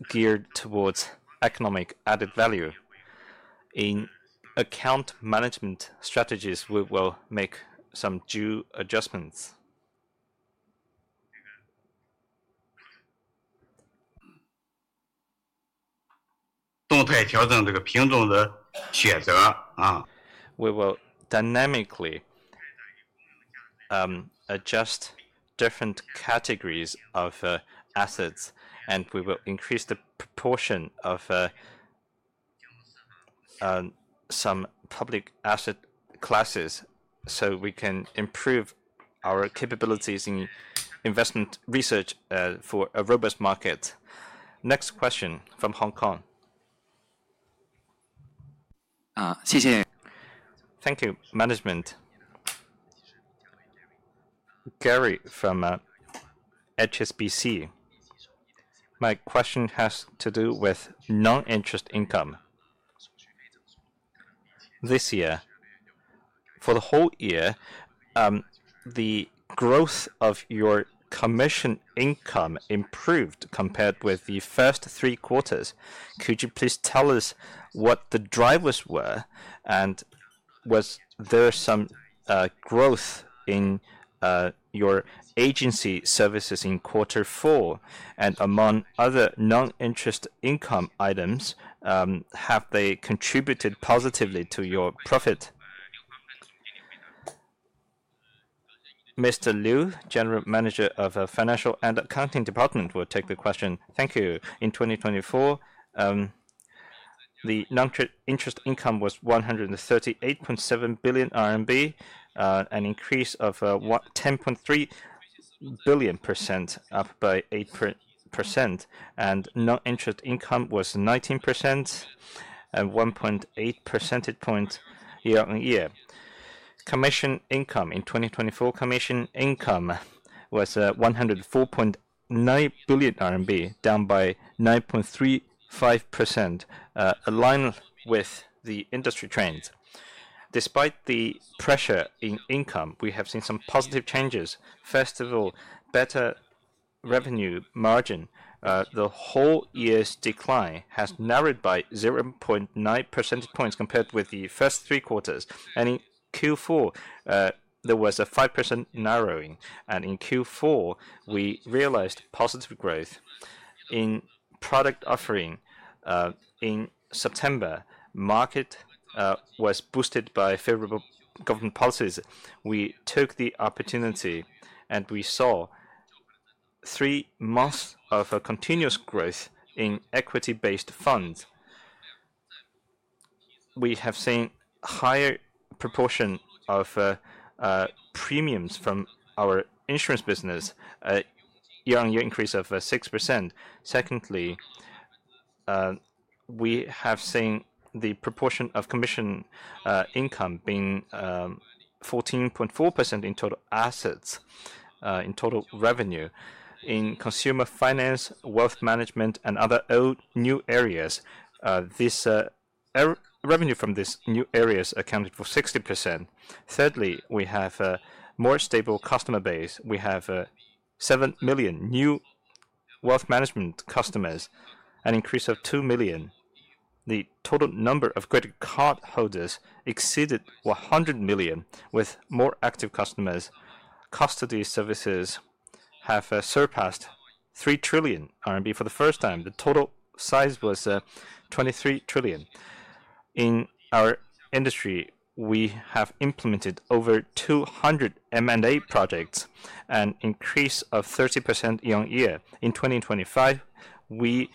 geared towards economic added value. In account management strategies, we will make some due adjustments. We will dynamically adjust different categories of assets, and we will increase the proportion of some public asset classes so we can improve our capabilities in investment research for a robust market. Next question from Hong Kong. 谢谢。Thank you. Management. Gary from HSBC. My question has to do with non-interest income. This year, for the whole year, the growth of your commission income improved compared with the first 3 quarters. Could you please tell us what the drivers were, and was there some growth in your agency services in quarter four? Among other non-interest income items, have they contributed positively to your profit? Mr. Liu, General Manager of the Financial and Accounting Department, will take the question. Thank you. In 2024, the non-interest income was 138.7 billion RMB, an increase of 10.3 billion, up by 8%. Non-interest income was 19% and 1.8 percentage points year on year. Commission income in 2024, commission income was 104.9 billion RMB, down by 9.35%, aligned with the industry trends. Despite the pressure in income, we have seen some positive changes. First of all, better revenue margin. The whole year's decline has narrowed by 0.9 percentage points compared with the first three quarters. In Q4, there was a 5% narrowing. In Q4, we realized positive growth in product offering. In September, market was boosted by favorable government policies. We took the opportunity, and we saw 3 months of continuous growth in equity-based funds. We have seen a higher proportion of premiums from our insurance business, year on year, an increase of 6%. Secondly, we have seen the proportion of commission income being 14.4% in total revenue. In consumer finance, wealth management, and other new areas, revenue from these new areas accounted for 60%. Thirdly, we have a more stable customer base. We have 7 million new wealth management customers, an increase of 2 million. The total number of credit card holders exceeded 100 million, with more active customers. Custody services have surpassed 3 trillion RMB for the first time. The total size was 23 trillion. In our industry, we have implemented over 200 M&A projects, an increase of 30% year on year. In 2025, we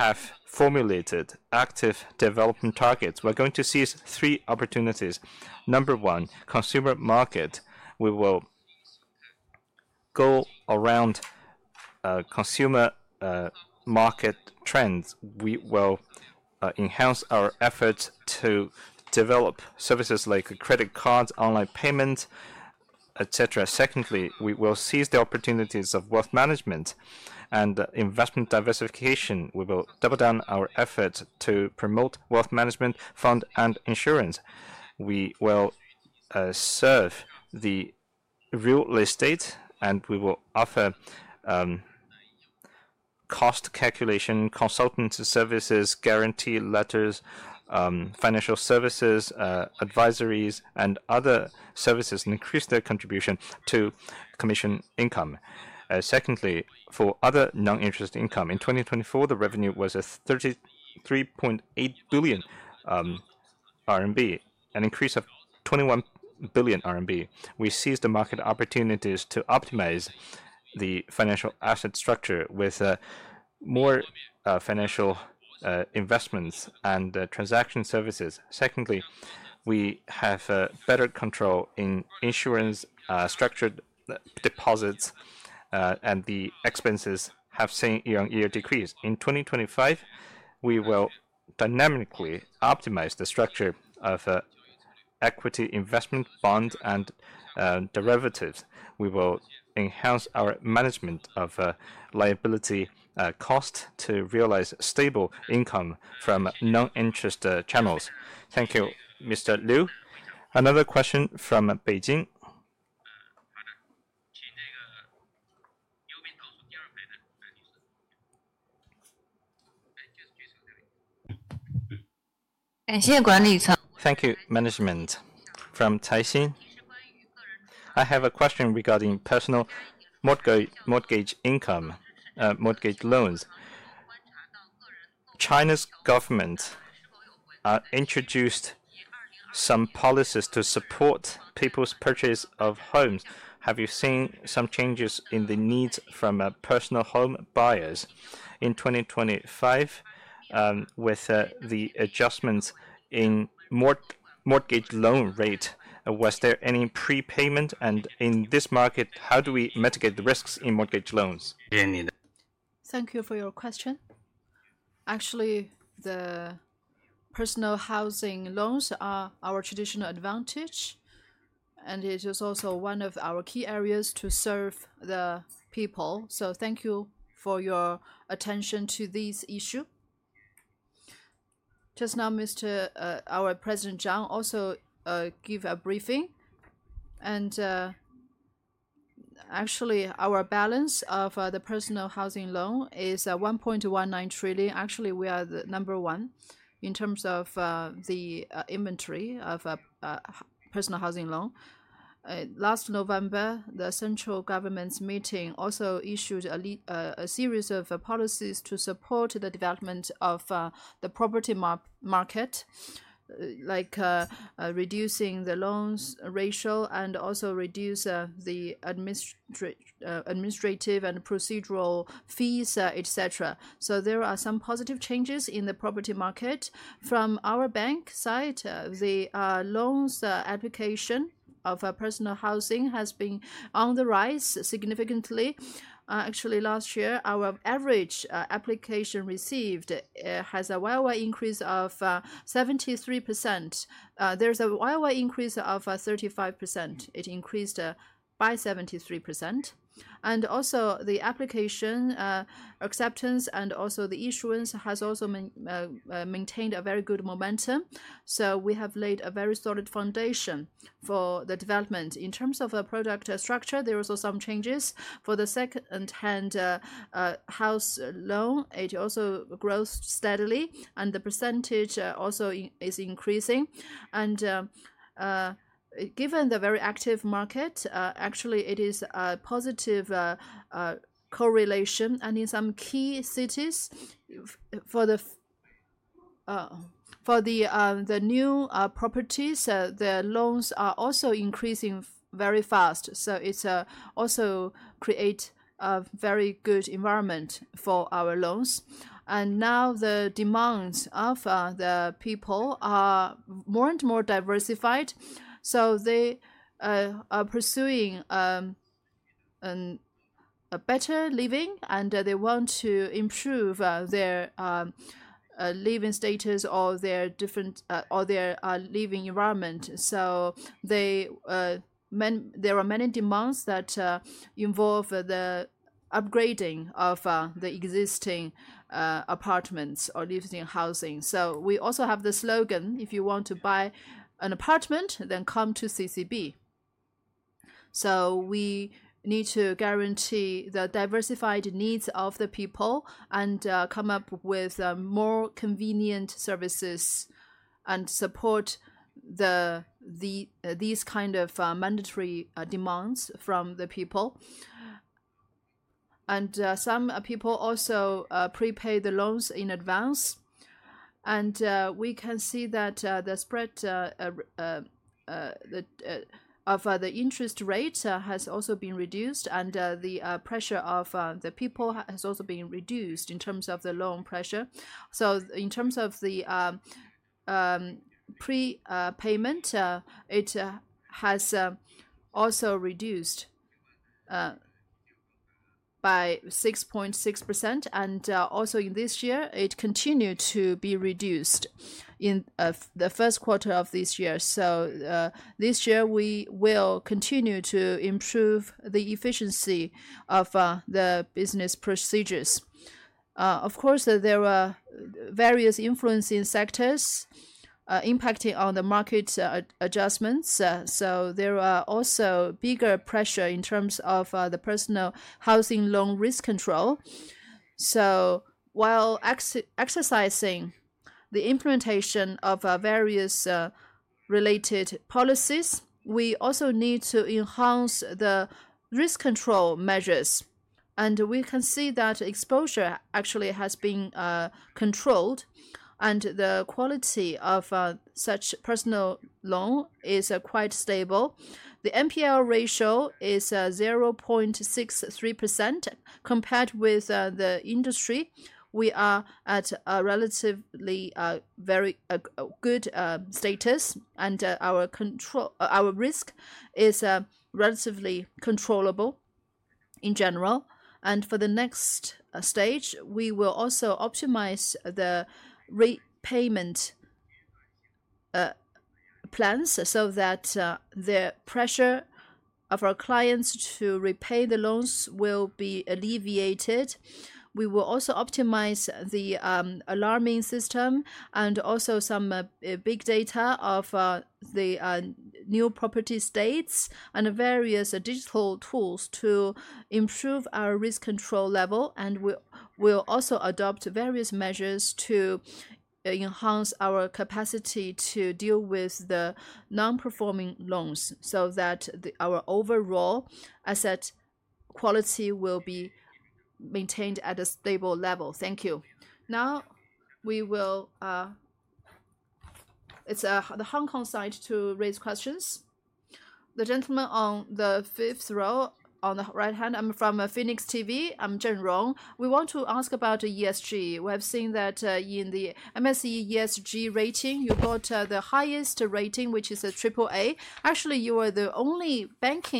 have formulated active development targets. We're going to seize three opportunities. Number one, consumer market. We will go around consumer market trends. We will enhance our efforts to develop services like credit cards, online payments, etc. Secondly, we will seize the opportunities of wealth management and investment diversification. We will double down our efforts to promote wealth management, fund, and insurance. We will serve the real estate, and we will offer cost calculation, consultant services, guarantee letters, financial services, advisories, and other services and increase their contribution to commission income. Secondly, for other non-interest income, in 2024, the revenue was 33.8 billion RMB, an increase of 21 billion RMB. We seized the market opportunities to optimize the financial asset structure with more financial investments and transaction services. Secondly, we have better control in insurance, structured deposits, and the expenses have seen year on year decrease. In 2025, we will dynamically optimize the structure of equity investment, bonds, and derivatives. We will enhance our management of liability costs to realize stable income from non-interest channels. Thank you, Mr. Liu. Another question from Beijing. Thank you. Management. From Caixin. I have a question regarding personal mortgage income, mortgage loans. China's government introduced some policies to support people's purchase of homes. Have you seen some changes in the needs from personal home buyers? In 2025, with the adjustments in mortgage loan rates, was there any prepayment? In this market, how do we mitigate the risks in mortgage loans? Thank you for your question. Actually, the personal housing loans are our traditional advantage, and it is also one of our key areas to serve the people. Thank you for your attention to this issue. Just now, our President Zhang also gave a briefing. Actually, our balance of the personal housing loan is 1.19 trillion. Actually, we are the number one in terms of the inventory of personal housing loan. Last November, the central government's meeting also issued a series of policies to support the development of the property market, like reducing the loans ratio and also reducing the administrative and procedural fees, etc. There are some positive changes in the property market. From our bank side, the loans application of personal housing has been on the rise significantly. Actually, last year, our average application received has a wide increase of 73%. There is a wide increase of 35%. It increased by 73%. Also, the application acceptance and also the issuance has also maintained a very good momentum. We have laid a very solid foundation for the development. In terms of product structure, there are also some changes. For the second-hand house loan, it also grows steadily, and the percentage also is increasing. Given the very active market, actually, it is a positive correlation. In some key cities, for the new properties, the loans are also increasing very fast. It also creates a very good environment for our loans. Now, the demands of the people are more and more diversified. They are pursuing a better living, and they want to improve their living status or their living environment. There are many demands that involve the upgrading of the existing apartments or living housing. We also have the slogan, "If you want to buy an apartment, then come to CCB." We need to guarantee the diversified needs of the people and come up with more convenient services and support these kinds of mandatory demands from the people. Some people also prepay the loans in advance. We can see that the spread of the interest rate has also been reduced, and the pressure of the people has also been reduced in terms of the loan pressure. In terms of the prepayment, it has also reduced by 6.6%. Also, this year, it continued to be reduced in the first quarter of this year. This year, we will continue to improve the efficiency of the business procedures. Of course, there are various influencing sectors impacting on the market adjustments. There are also bigger pressures in terms of the personal housing loan risk control. While exercising the implementation of various related policies, we also need to enhance the risk control measures. We can see that exposure actually has been controlled, and the quality of such personal loans is quite stable. The NPL ratio is 0.63%. Compared with the industry, we are at a relatively very good status, and our risk is relatively controllable in general. For the next stage, we will also optimize the repayment plans so that the pressure of our clients to repay the loans will be alleviated. We will also optimize the alarming system and also some big data of the new property states and various digital tools to improve our risk control level. We will also adopt various measures to enhance our capacity to deal with the non-performing loans so that our overall asset quality will be maintained at a stable level. Thank you. Now, it is the Hong Kong side to raise questions. The gentleman on the fifth row on the right hand, I am from Phoenix TV. I am Zhen Rong. We want to ask about ESG. We have seen that in the MSCI ESG rating, you got the highest rating, which is a triple A. Actually, you are the only bank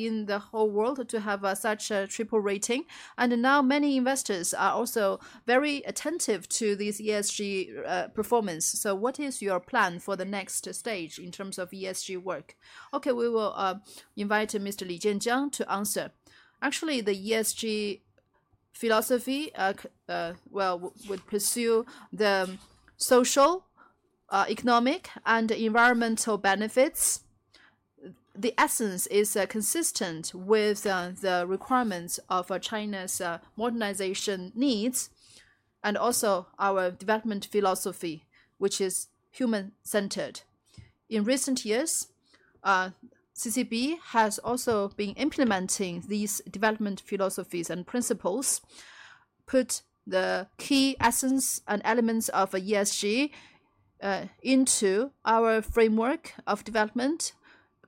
in the whole world to have such a triple rating. Actually, many investors are also very attentive to this ESG performance. What is your plan for the next stage in terms of ESG work? Okay, we will invite Mr. Li Jianjiang to answer. Actually, the ESG philosophy would pursue the social, economic, and environmental benefits. The essence is consistent with the requirements of China's modernization needs and also our development philosophy, which is human-centered. In recent years, CCB has also been implementing these development philosophies and principles, put the key essence and elements of ESG into our framework of development,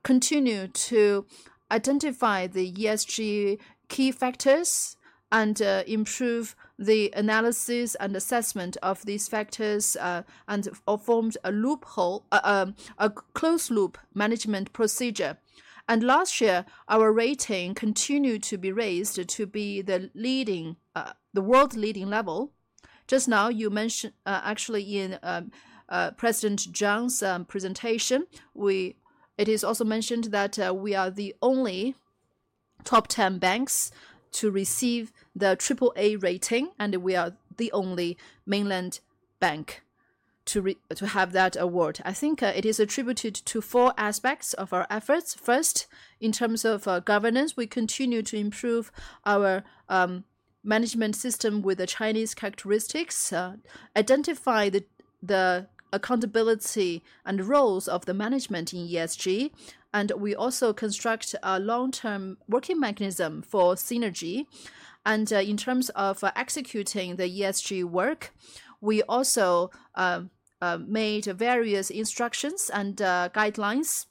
continued to identify the ESG key factors, and improve the analysis and assessment of these factors, and formed a closed-loop management procedure. Last year, our rating continued to be raised to be the world-leading level. Just now, you mentioned actually in President Zhang's presentation, it is also mentioned that we are the only top 10 banks to receive the triple A rating, and we are the only mainland bank to have that award. I think it is attributed to four aspects of our efforts. First, in terms of governance, we continue to improve our management system with the Chinese characteristics, identify the accountability and roles of the management in ESG, and we also construct a long-term working mechanism for synergy. In terms of executing the ESG work, we also made various instructions and guidelines.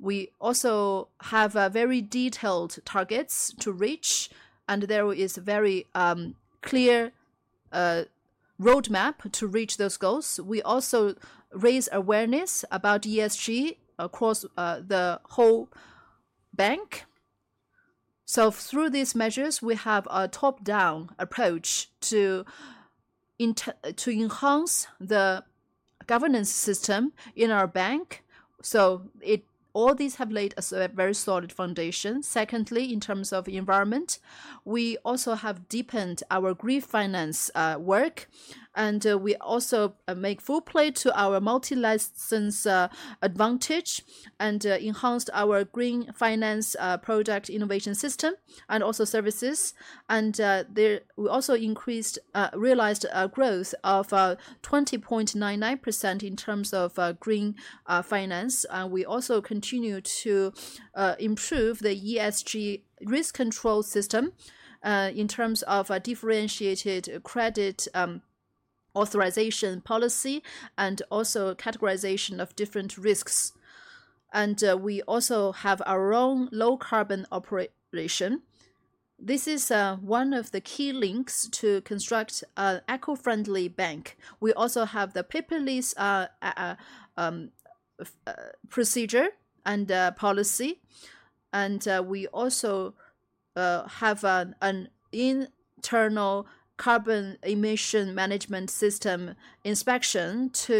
We also have very detailed targets to reach, and there is a very clear roadmap to reach those goals. We also raise awareness about ESG across the whole bank. Through these measures, we have a top-down approach to enhance the governance system in our bank. All these have laid a very solid foundation. Secondly, in terms of environment, we also have deepened our green finance work, and we also make full play to our multi-license advantage and enhanced our green finance product innovation system and also services. We also realized a growth of 20.99% in terms of green finance. We also continue to improve the ESG risk control system in terms of differentiated credit authorization policy and also categorization of different risks. We also have our own low-carbon operation. This is one of the key links to construct an eco-friendly bank. We also have the paperless procedure and policy. We also have an internal carbon emission management system inspection to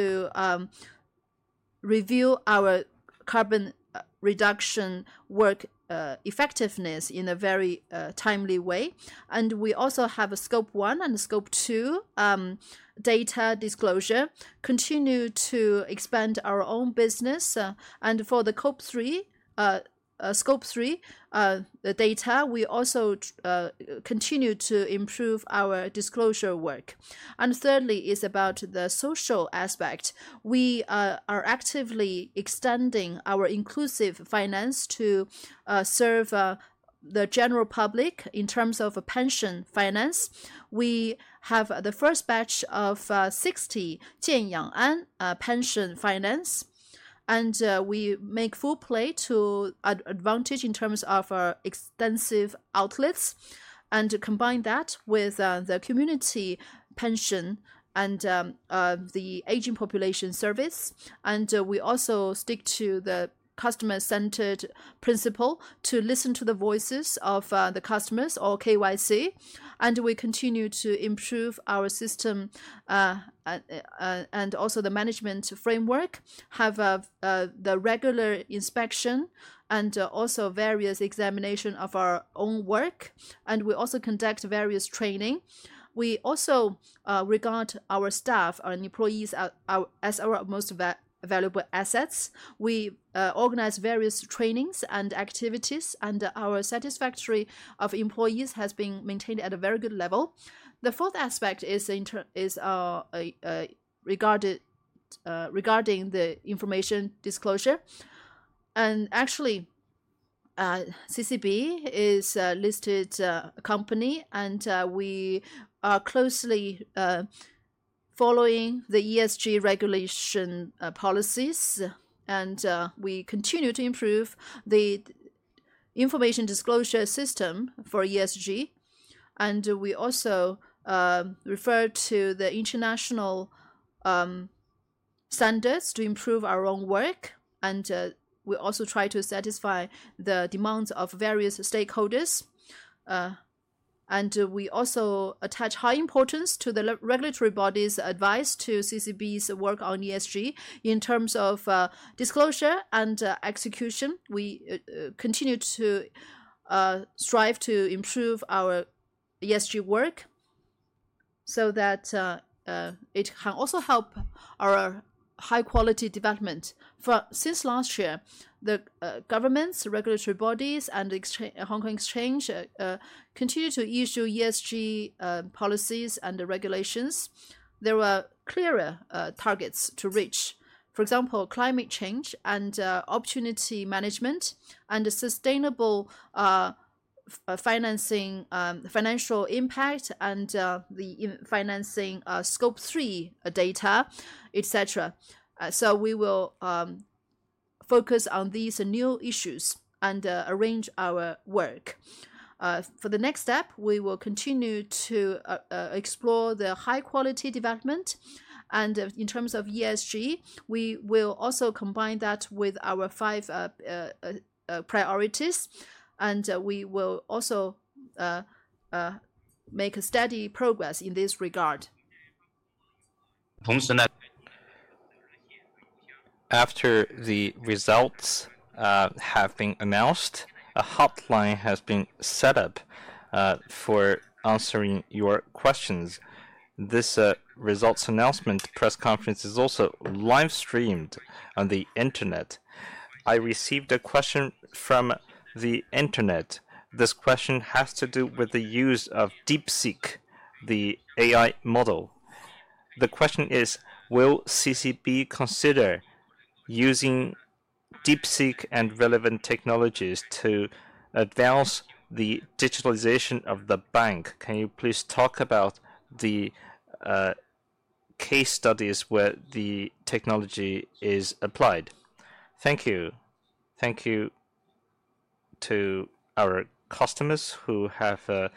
review our carbon reduction work effectiveness in a very timely way. We also have a scope one and scope two data disclosure, continue to expand our own business. For the scope three data, we also continue to improve our disclosure work. Thirdly, it is about the social aspect. We are actively extending our inclusive finance to serve the general public in terms of pension finance. We have the first batch of 60 Jian Yang An pension finance, and we make full play to advantage in terms of our extensive outlets and combine that with the community pension and the aging population service. We also stick to the customer-centered principle to listen to the voices of the customers or KYC. We continue to improve our system and also the management framework, have the regular inspection and also various examinations of our own work. We also conduct various training. We also regard our staff and employees as our most valuable assets. We organize various trainings and activities, and our satisfaction of employees has been maintained at a very good level. The fourth aspect is regarding the information disclosure. Actually, CCB is a listed company, and we are closely following the ESG regulation policies, and we continue to improve the information disclosure system for ESG. We also refer to the international standards to improve our own work. We also try to satisfy the demands of various stakeholders. We also attach high importance to the regulatory body's advice to CCB's work on ESG in terms of disclosure and execution. We continue to strive to improve our ESG work so that it can also help our high-quality development. Since last year, the governments, regulatory bodies, and the Hong Kong Exchange continue to issue ESG policies and regulations. There are clearer targets to reach. For example, climate change and opportunity management and sustainable financial impact and the financing scope three data, etc. We will focus on these new issues and arrange our work. For the next step, we will continue to explore the high-quality development. In terms of ESG, we will also combine that with our five priorities, and we will also make steady progress in this regard. After the results have been announced, a hotline has been set up for answering your questions. This results announcement press conference is also live-streamed on the internet. I received a question from the internet. This question has to do with the use of DeepSeek, the AI model. The question is, will CCB consider using DeepSeek and relevant technologies to advance the digitalization of the bank? Can you please talk about the case studies where the technology is applied? Thank you. Thank you to our customers who have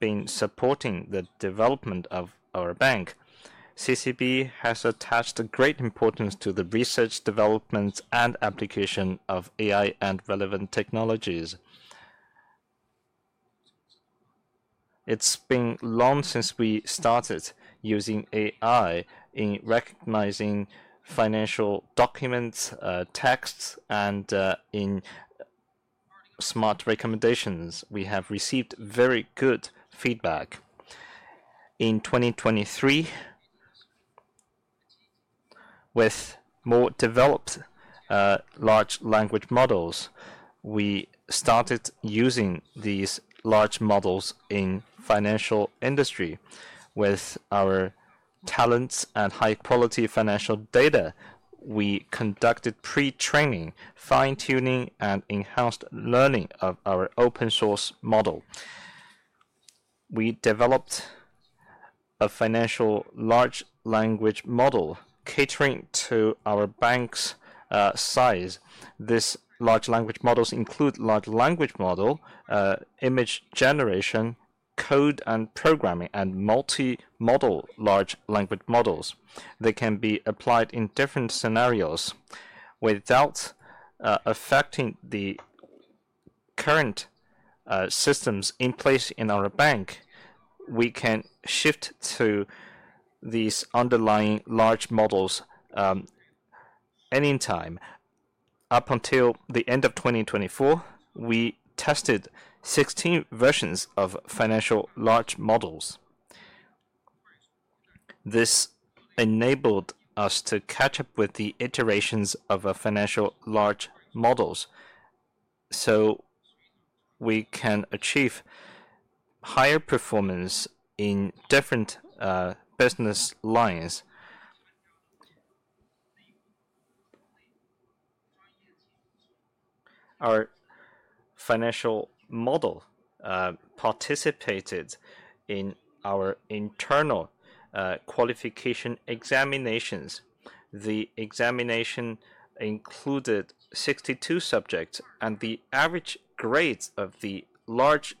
been supporting the development of our bank. CCB has attached great importance to the research, development, and application of AI and relevant technologies. It's been long since we started using AI in recognizing financial documents, texts, and in smart recommendations. We have received very good feedback. In 2023, with more developed large language models, we started using these large models in the financial industry. With our talents and high-quality financial data, we conducted pre-training, fine-tuning, and enhanced learning of our open-source model. We developed a financial large language model catering to our bank's size. These large language models include large language model image generation, code and programming, and multi-model large language models. They can be applied in different scenarios. Without affecting the current systems in place in our bank, we can shift to these underlying large models any time. Up until the end of 2024, we tested 16 versions of financial large models. This enabled us to catch up with the iterations of financial large models so we can achieve higher performance in different business lines. Our financial model participated in our internal qualification examinations. The examination included 62 subjects, and the average grades of the large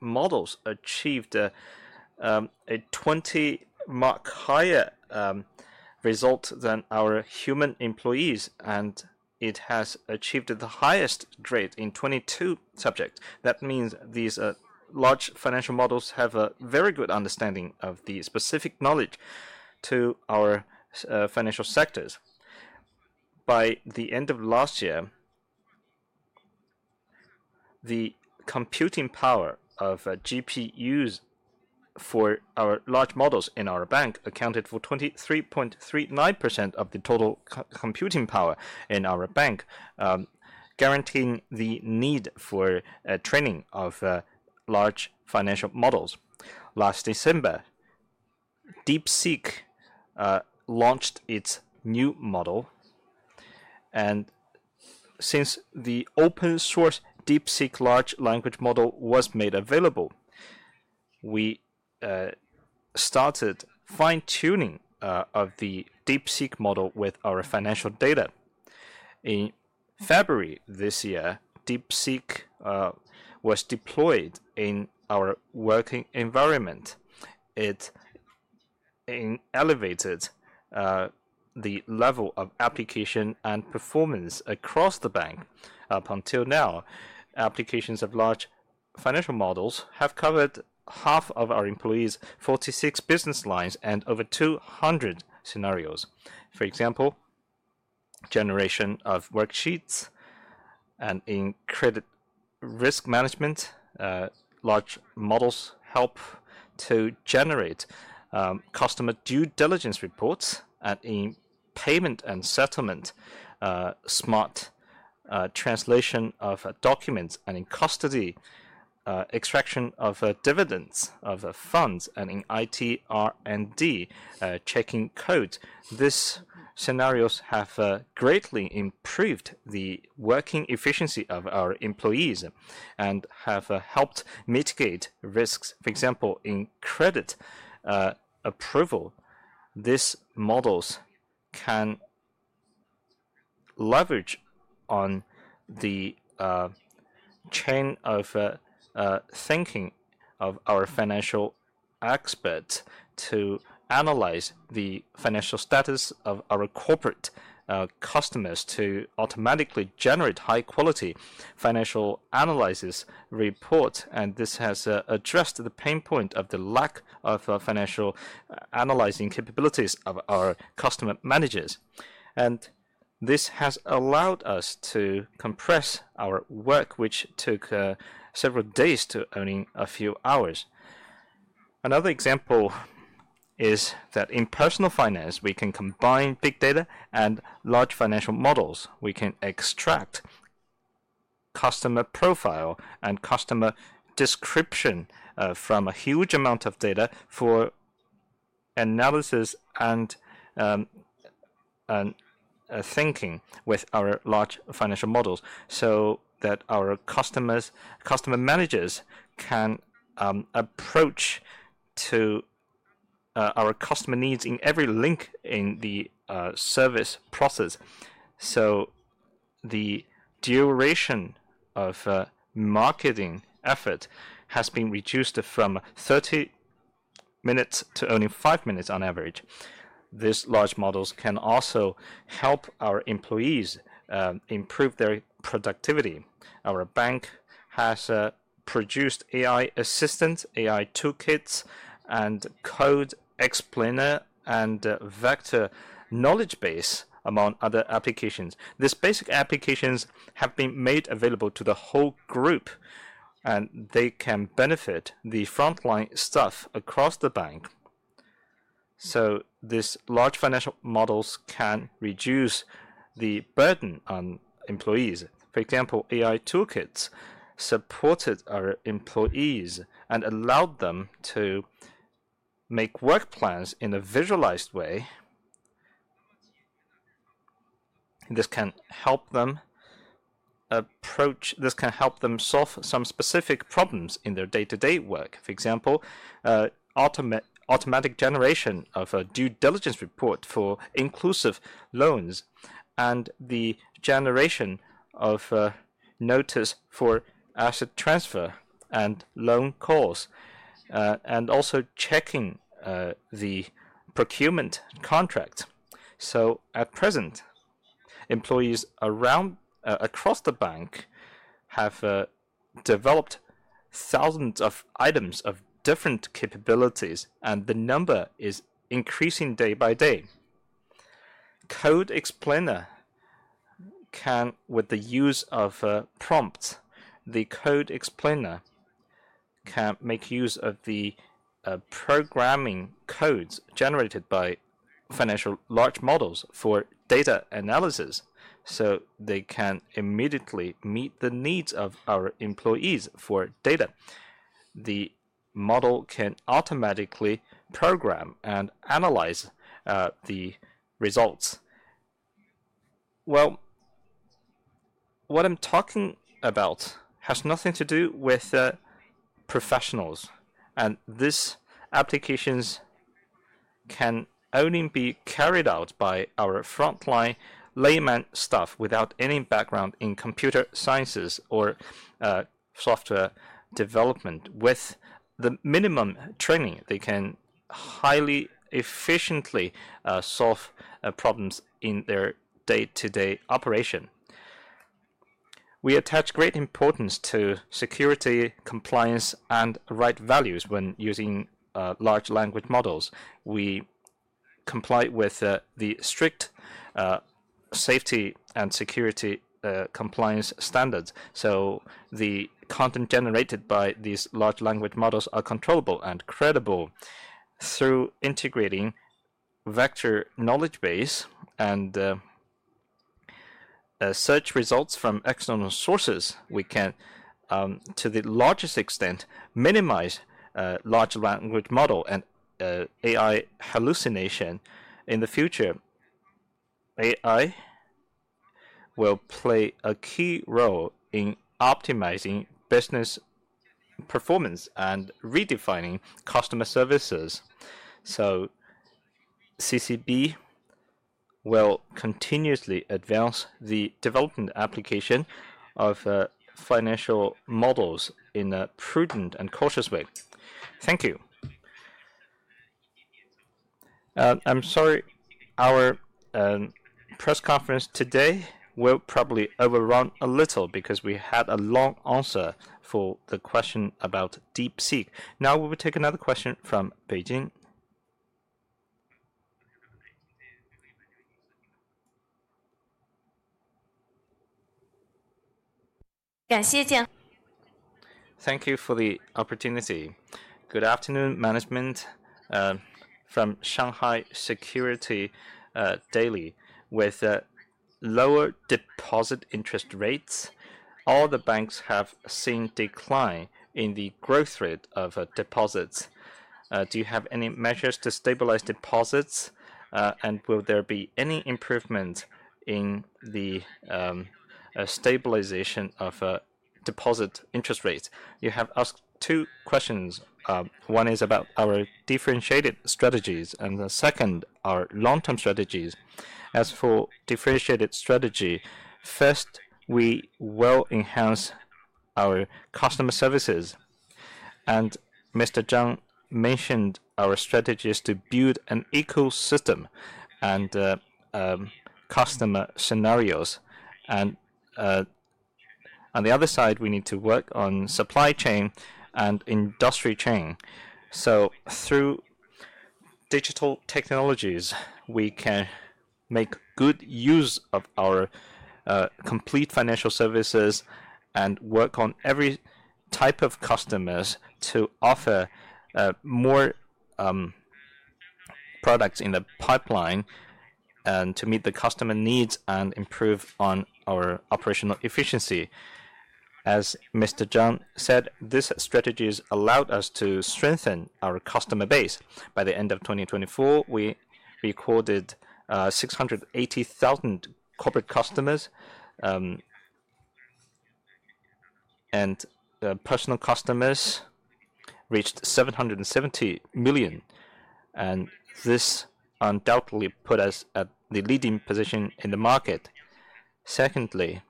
models achieved a 20-mark higher result than our human employees, and it has achieved the highest grade in 22 subjects. That means these large financial models have a very good understanding of the specific knowledge to our financial sectors. By the end of last year, the computing power of GPUs for our large models in our bank accounted for 23.39% of the total computing power in our bank, guaranteeing the need for training of large financial models. Last December, DeepSeek launched its new model. Since the open-source DeepSeek large language model was made available, we started fine-tuning of the DeepSeek model with our financial data. In February this year, DeepSeek was deployed in our working environment. It elevated the level of application and performance across the bank up until now. Applications of large financial models have covered half of our employees, 46 business lines, and over 200 scenarios. For example, generation of worksheets and in credit risk management, large models help to generate customer due diligence reports and in payment and settlement, smart translation of documents and in custody extraction of dividends of funds and in IT R&D checking code. These scenarios have greatly improved the working efficiency of our employees and have helped mitigate risks. For example, in credit approval, these models can leverage on the chain of thinking of our financial experts to analyze the financial status of our corporate customers to automatically generate high-quality financial analysis reports. This has addressed the pain point of the lack of financial analyzing capabilities of our customer managers. This has allowed us to compress our work, which took several days to only a few hours. Another example is that in personal finance, we can combine big data and large financial models. We can extract customer profile and customer description from a huge amount of data for analysis and thinking with our large financial models so that our customer managers can approach our customer needs in every link in the service process. The duration of marketing effort has been reduced from 30 minutes to only 5 minutes on average. These large models can also help our employees improve their productivity. Our bank has produced AI assistants, AI toolkits, and code explainer and vector knowledge base among other applications. These basic applications have been made available to the whole group, and they can benefit the frontline staff across the bank. These large financial models can reduce the burden on employees. For example, AI toolkits supported our employees and allowed them to make work plans in a visualized way. This can help them approach, this can help them solve some specific problems in their day-to-day work. For example, automatic generation of a due diligence report for inclusive loans and the generation of notice for asset transfer and loan calls, and also checking the procurement contract. At present, employees across the bank have developed thousands of items of different capabilities, and the number is increasing day by day. Code explainer can, with the use of prompts, the code explainer can make use of the programming codes generated by financial large models for data analysis so they can immediately meet the needs of our employees for data. The model can automatically program and analyze the results. What I'm talking about has nothing to do with professionals, and these applications can only be carried out by our frontline layman staff without any background in computer sciences or software development. With the minimum training, they can highly efficiently solve problems in their day-to-day operation. We attach great importance to security, compliance, and right values when using large language models. We comply with the strict safety and security compliance standards. The content generated by these large language models is controllable and credible. Through integrating vector knowledge base and search results from external sources, we can, to the largest extent, minimize large language model and AI hallucination in the future. AI will play a key role in optimizing business performance and redefining customer services. CCB will continuously advance the development application of financial models in a prudent and cautious way. Thank you. I'm sorry, our press conference today will probably overrun a little because we had a long answer for the question about DeepSeek. Now we will take another question from Beijing. Thank you for the opportunity. Good afternoon, management from Shanghai Security Daily. With lower deposit interest rates, all the banks have seen a decline in the growth rate of deposits. Do you have any measures to stabilize deposits, and will there be any improvement in the stabilization of deposit interest rates? You have asked two questions. One is about our differentiated strategies, and the second, our long-term strategies. As for differentiated strategy, first, we will enhance our customer services. Mr. Zhang mentioned our strategy is to build an ecosystem and customer scenarios. On the other side, we need to work on supply chain and industry chain. Through digital technologies, we can make good use of our complete financial services and work on every type of customers to offer more products in the pipeline to meet the customer needs and improve on our operational efficiency. As Mr. Zhang said, these strategies allowed us to strengthen our customer base. By the end of 2024, we recorded 680,000 corporate customers, and personal customers reached 770 million. This undoubtedly put us at the leading position in the market. Secondly,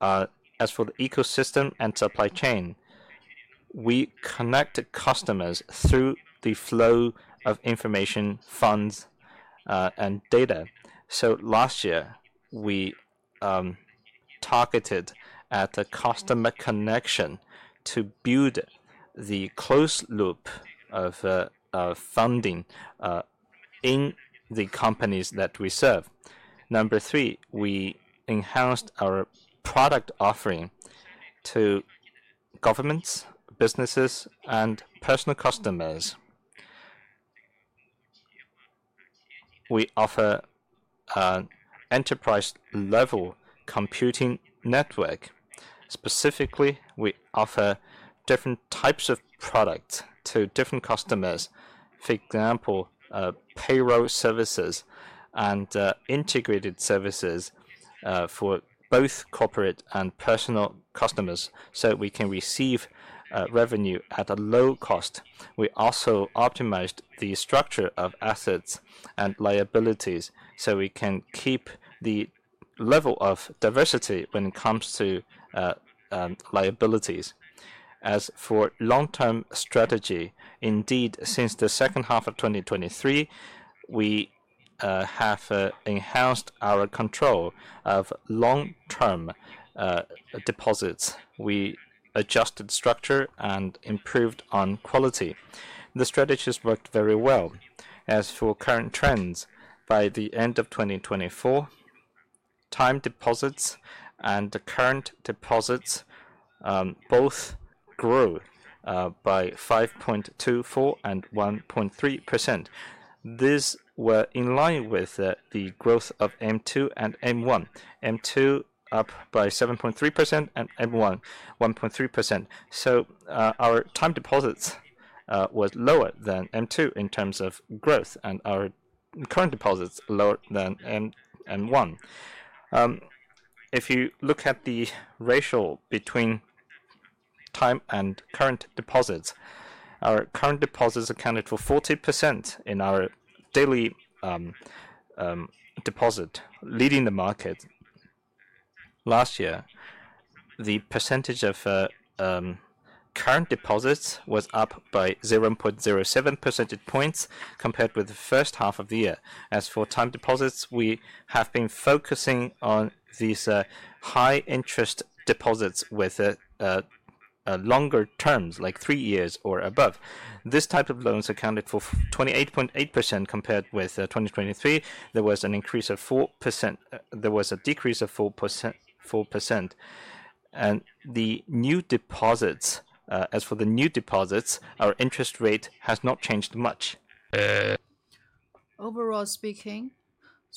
as for the ecosystem and supply chain, we connect customers through the flow of information, funds, and data. Last year, we targeted at the customer connection to build the closed loop of funding in the companies that we serve. Number three, we enhanced our product offering to governments, businesses, and personal customers. We offer an enterprise-level computing network. Specifically, we offer different types of products to different customers, for example, payroll services and integrated services for both corporate and personal customers so we can receive revenue at a low cost. We also optimized the structure of assets and liabilities so we can keep the level of diversity when it comes to liabilities. As for long-term strategy, indeed, since the second half of 2023, we have enhanced our control of long-term deposits. We adjusted structure and improved on quality. The strategies worked very well. As for current trends, by the end of 2024, time deposits and current deposits both grew by 5.24% and 1.3%. These were in line with the growth of M2 and M1. M2 up by 7.3% and M1 1.3%. Our time deposits were lower than M2 in terms of growth, and our current deposits lower than M1. If you look at the ratio between time and current deposits, our current deposits accounted for 40% in our daily deposit, leading the market. Last year, the percentage of current deposits was up by 0.07 percentage points compared with the first half of the year. As for time deposits, we have been focusing on these high-interest deposits with longer terms, like three years or above. This type of loans accounted for 28.8% compared with 2023. There was an increase of 4%. There was a decrease of 4%. As for the new deposits, our interest rate has not changed much. Overall speaking,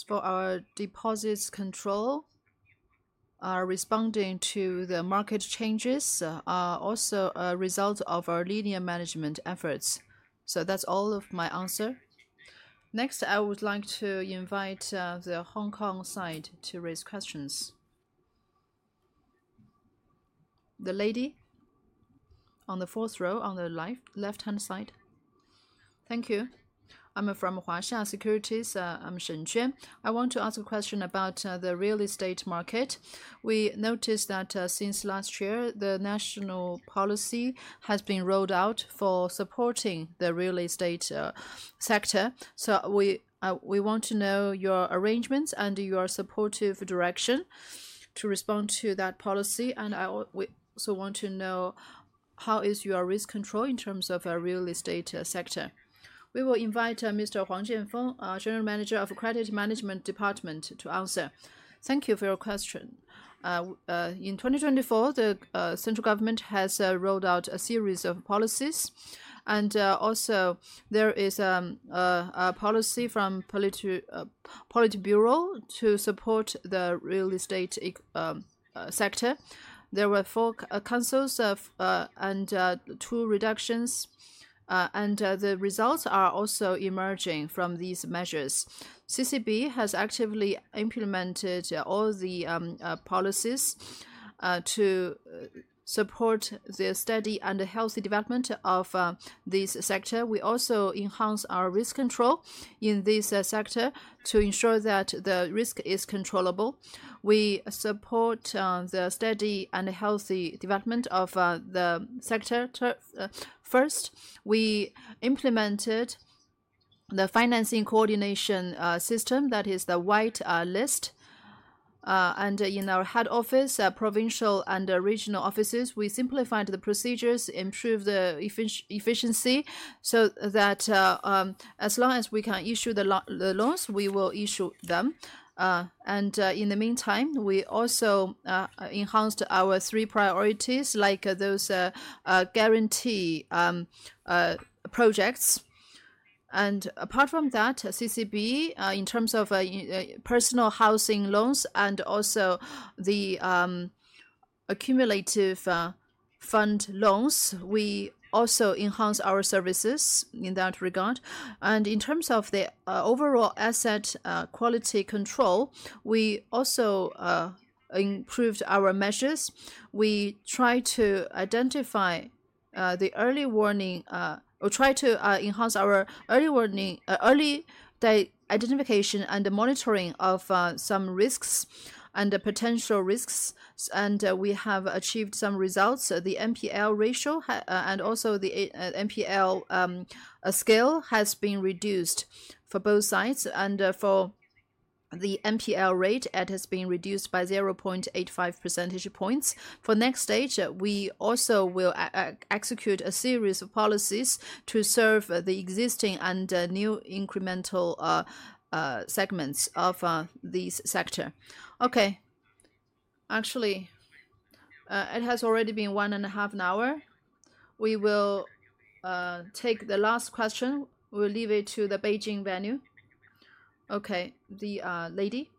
for our deposits control, our responding to the market changes are also a result of our linear management efforts. That is all of my answer. Next, I would like to invite the Hong Kong side to raise questions. The lady on the fourth row on the left-hand side. Thank you. I am from Huaxing Securities. I am Shen Juan. I want to ask a question about the real estate market. We noticed that since last year, the national policy has been rolled out for supporting the real estate sector. We want to know your arrangements and your supportive direction to respond to that policy. We also want to know how is your risk control in terms of our real estate sector. We will invite Mr. Huang Jianfeng, our General Manager of the Credit Loan Department, to answer. Thank you for your question. In 2024, the central government has rolled out a series of policies. There is also a policy from the Politburo to support the real estate sector. There were four councils and two reductions. The results are also emerging from these measures. CCB has actively implemented all the policies to support the steady and healthy development of this sector. We also enhance our risk control in this sector to ensure that the risk is controllable. We support the steady and healthy development of the sector. First, we implemented the financing coordination system that is the white list. In our head office, provincial and regional offices, we simplified the procedures, improved the efficiency so that as long as we can issue the loans, we will issue them. In the meantime, we also enhanced our three priorities, like those guarantee projects. Apart from that, CCB, in terms of personal housing loans and also the accumulative fund loans, we also enhanced our services in that regard. In terms of the overall asset quality control, we also improved our measures. We try to identify the early warning or try to enhance our early warning, early identification, and the monitoring of some risks and the potential risks. We have achieved some results. The NPL ratio and also the NPL scale has been reduced for both sides. For the NPL rate, it has been reduced by 0.85 percentage points. For next stage, we also will execute a series of policies to serve the existing and new incremental segments of this sector. Actually, it has already been one and a half an hour. We will take the last question. We'll leave it to the Beijing venue. Okay. The lady.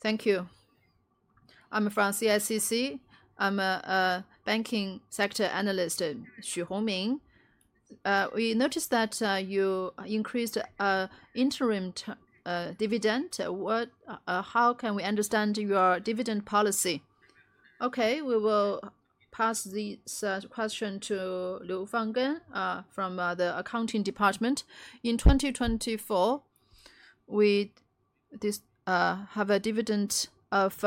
Thank you. I'm from CICC. I'm a banking sector analyst, Xu Hongming. We noticed that you increased interim dividend. How can we understand your dividend policy? Okay. We will pass this question to Liu Fanggen from the accounting department. In 2024, we have a dividend of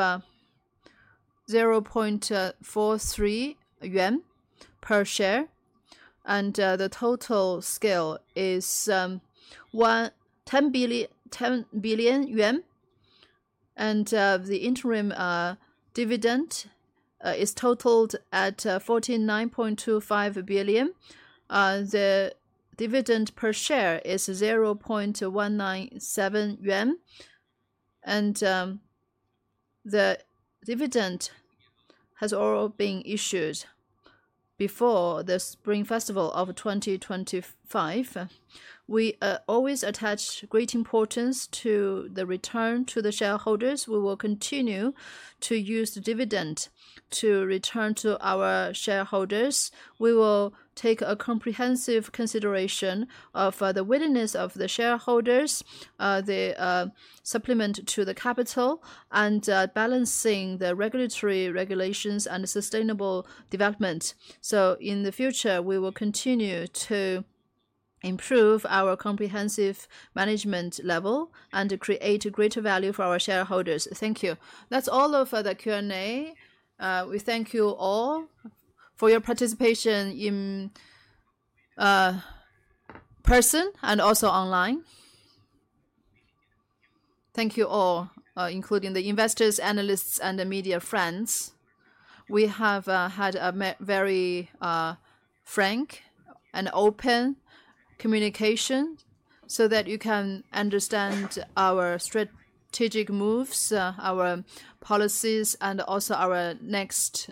0.43 yuan per share. The total scale is 10 billion yuan. The interim dividend is totaled at 49.25 billion. The dividend per share is 0.197 yuan. The dividend has already been issued before the Spring Festival of 2025. We always attach great importance to the return to the shareholders. We will continue to use the dividend to return to our shareholders. We will take a comprehensive consideration of the willingness of the shareholders, the supplement to the capital, and balancing the regulatory regulations and sustainable development. In the future, we will continue to improve our comprehensive management level and create greater value for our shareholders. Thank you. That is all of the Q&A. We thank you all for your participation in person and also online. Thank you all, including the investors, analysts, and the media friends. We have had a very frank and open communication so that you can understand our strategic moves, our policies, and also our next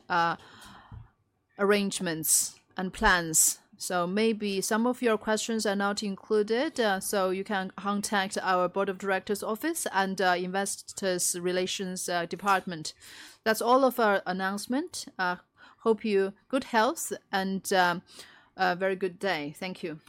arrangements and plans. Maybe some of your questions are not included. You can contact our Board of Directors Office and Investors Relations Department. That is all of our announcement. Hope you have good health and a very good day. Thank you.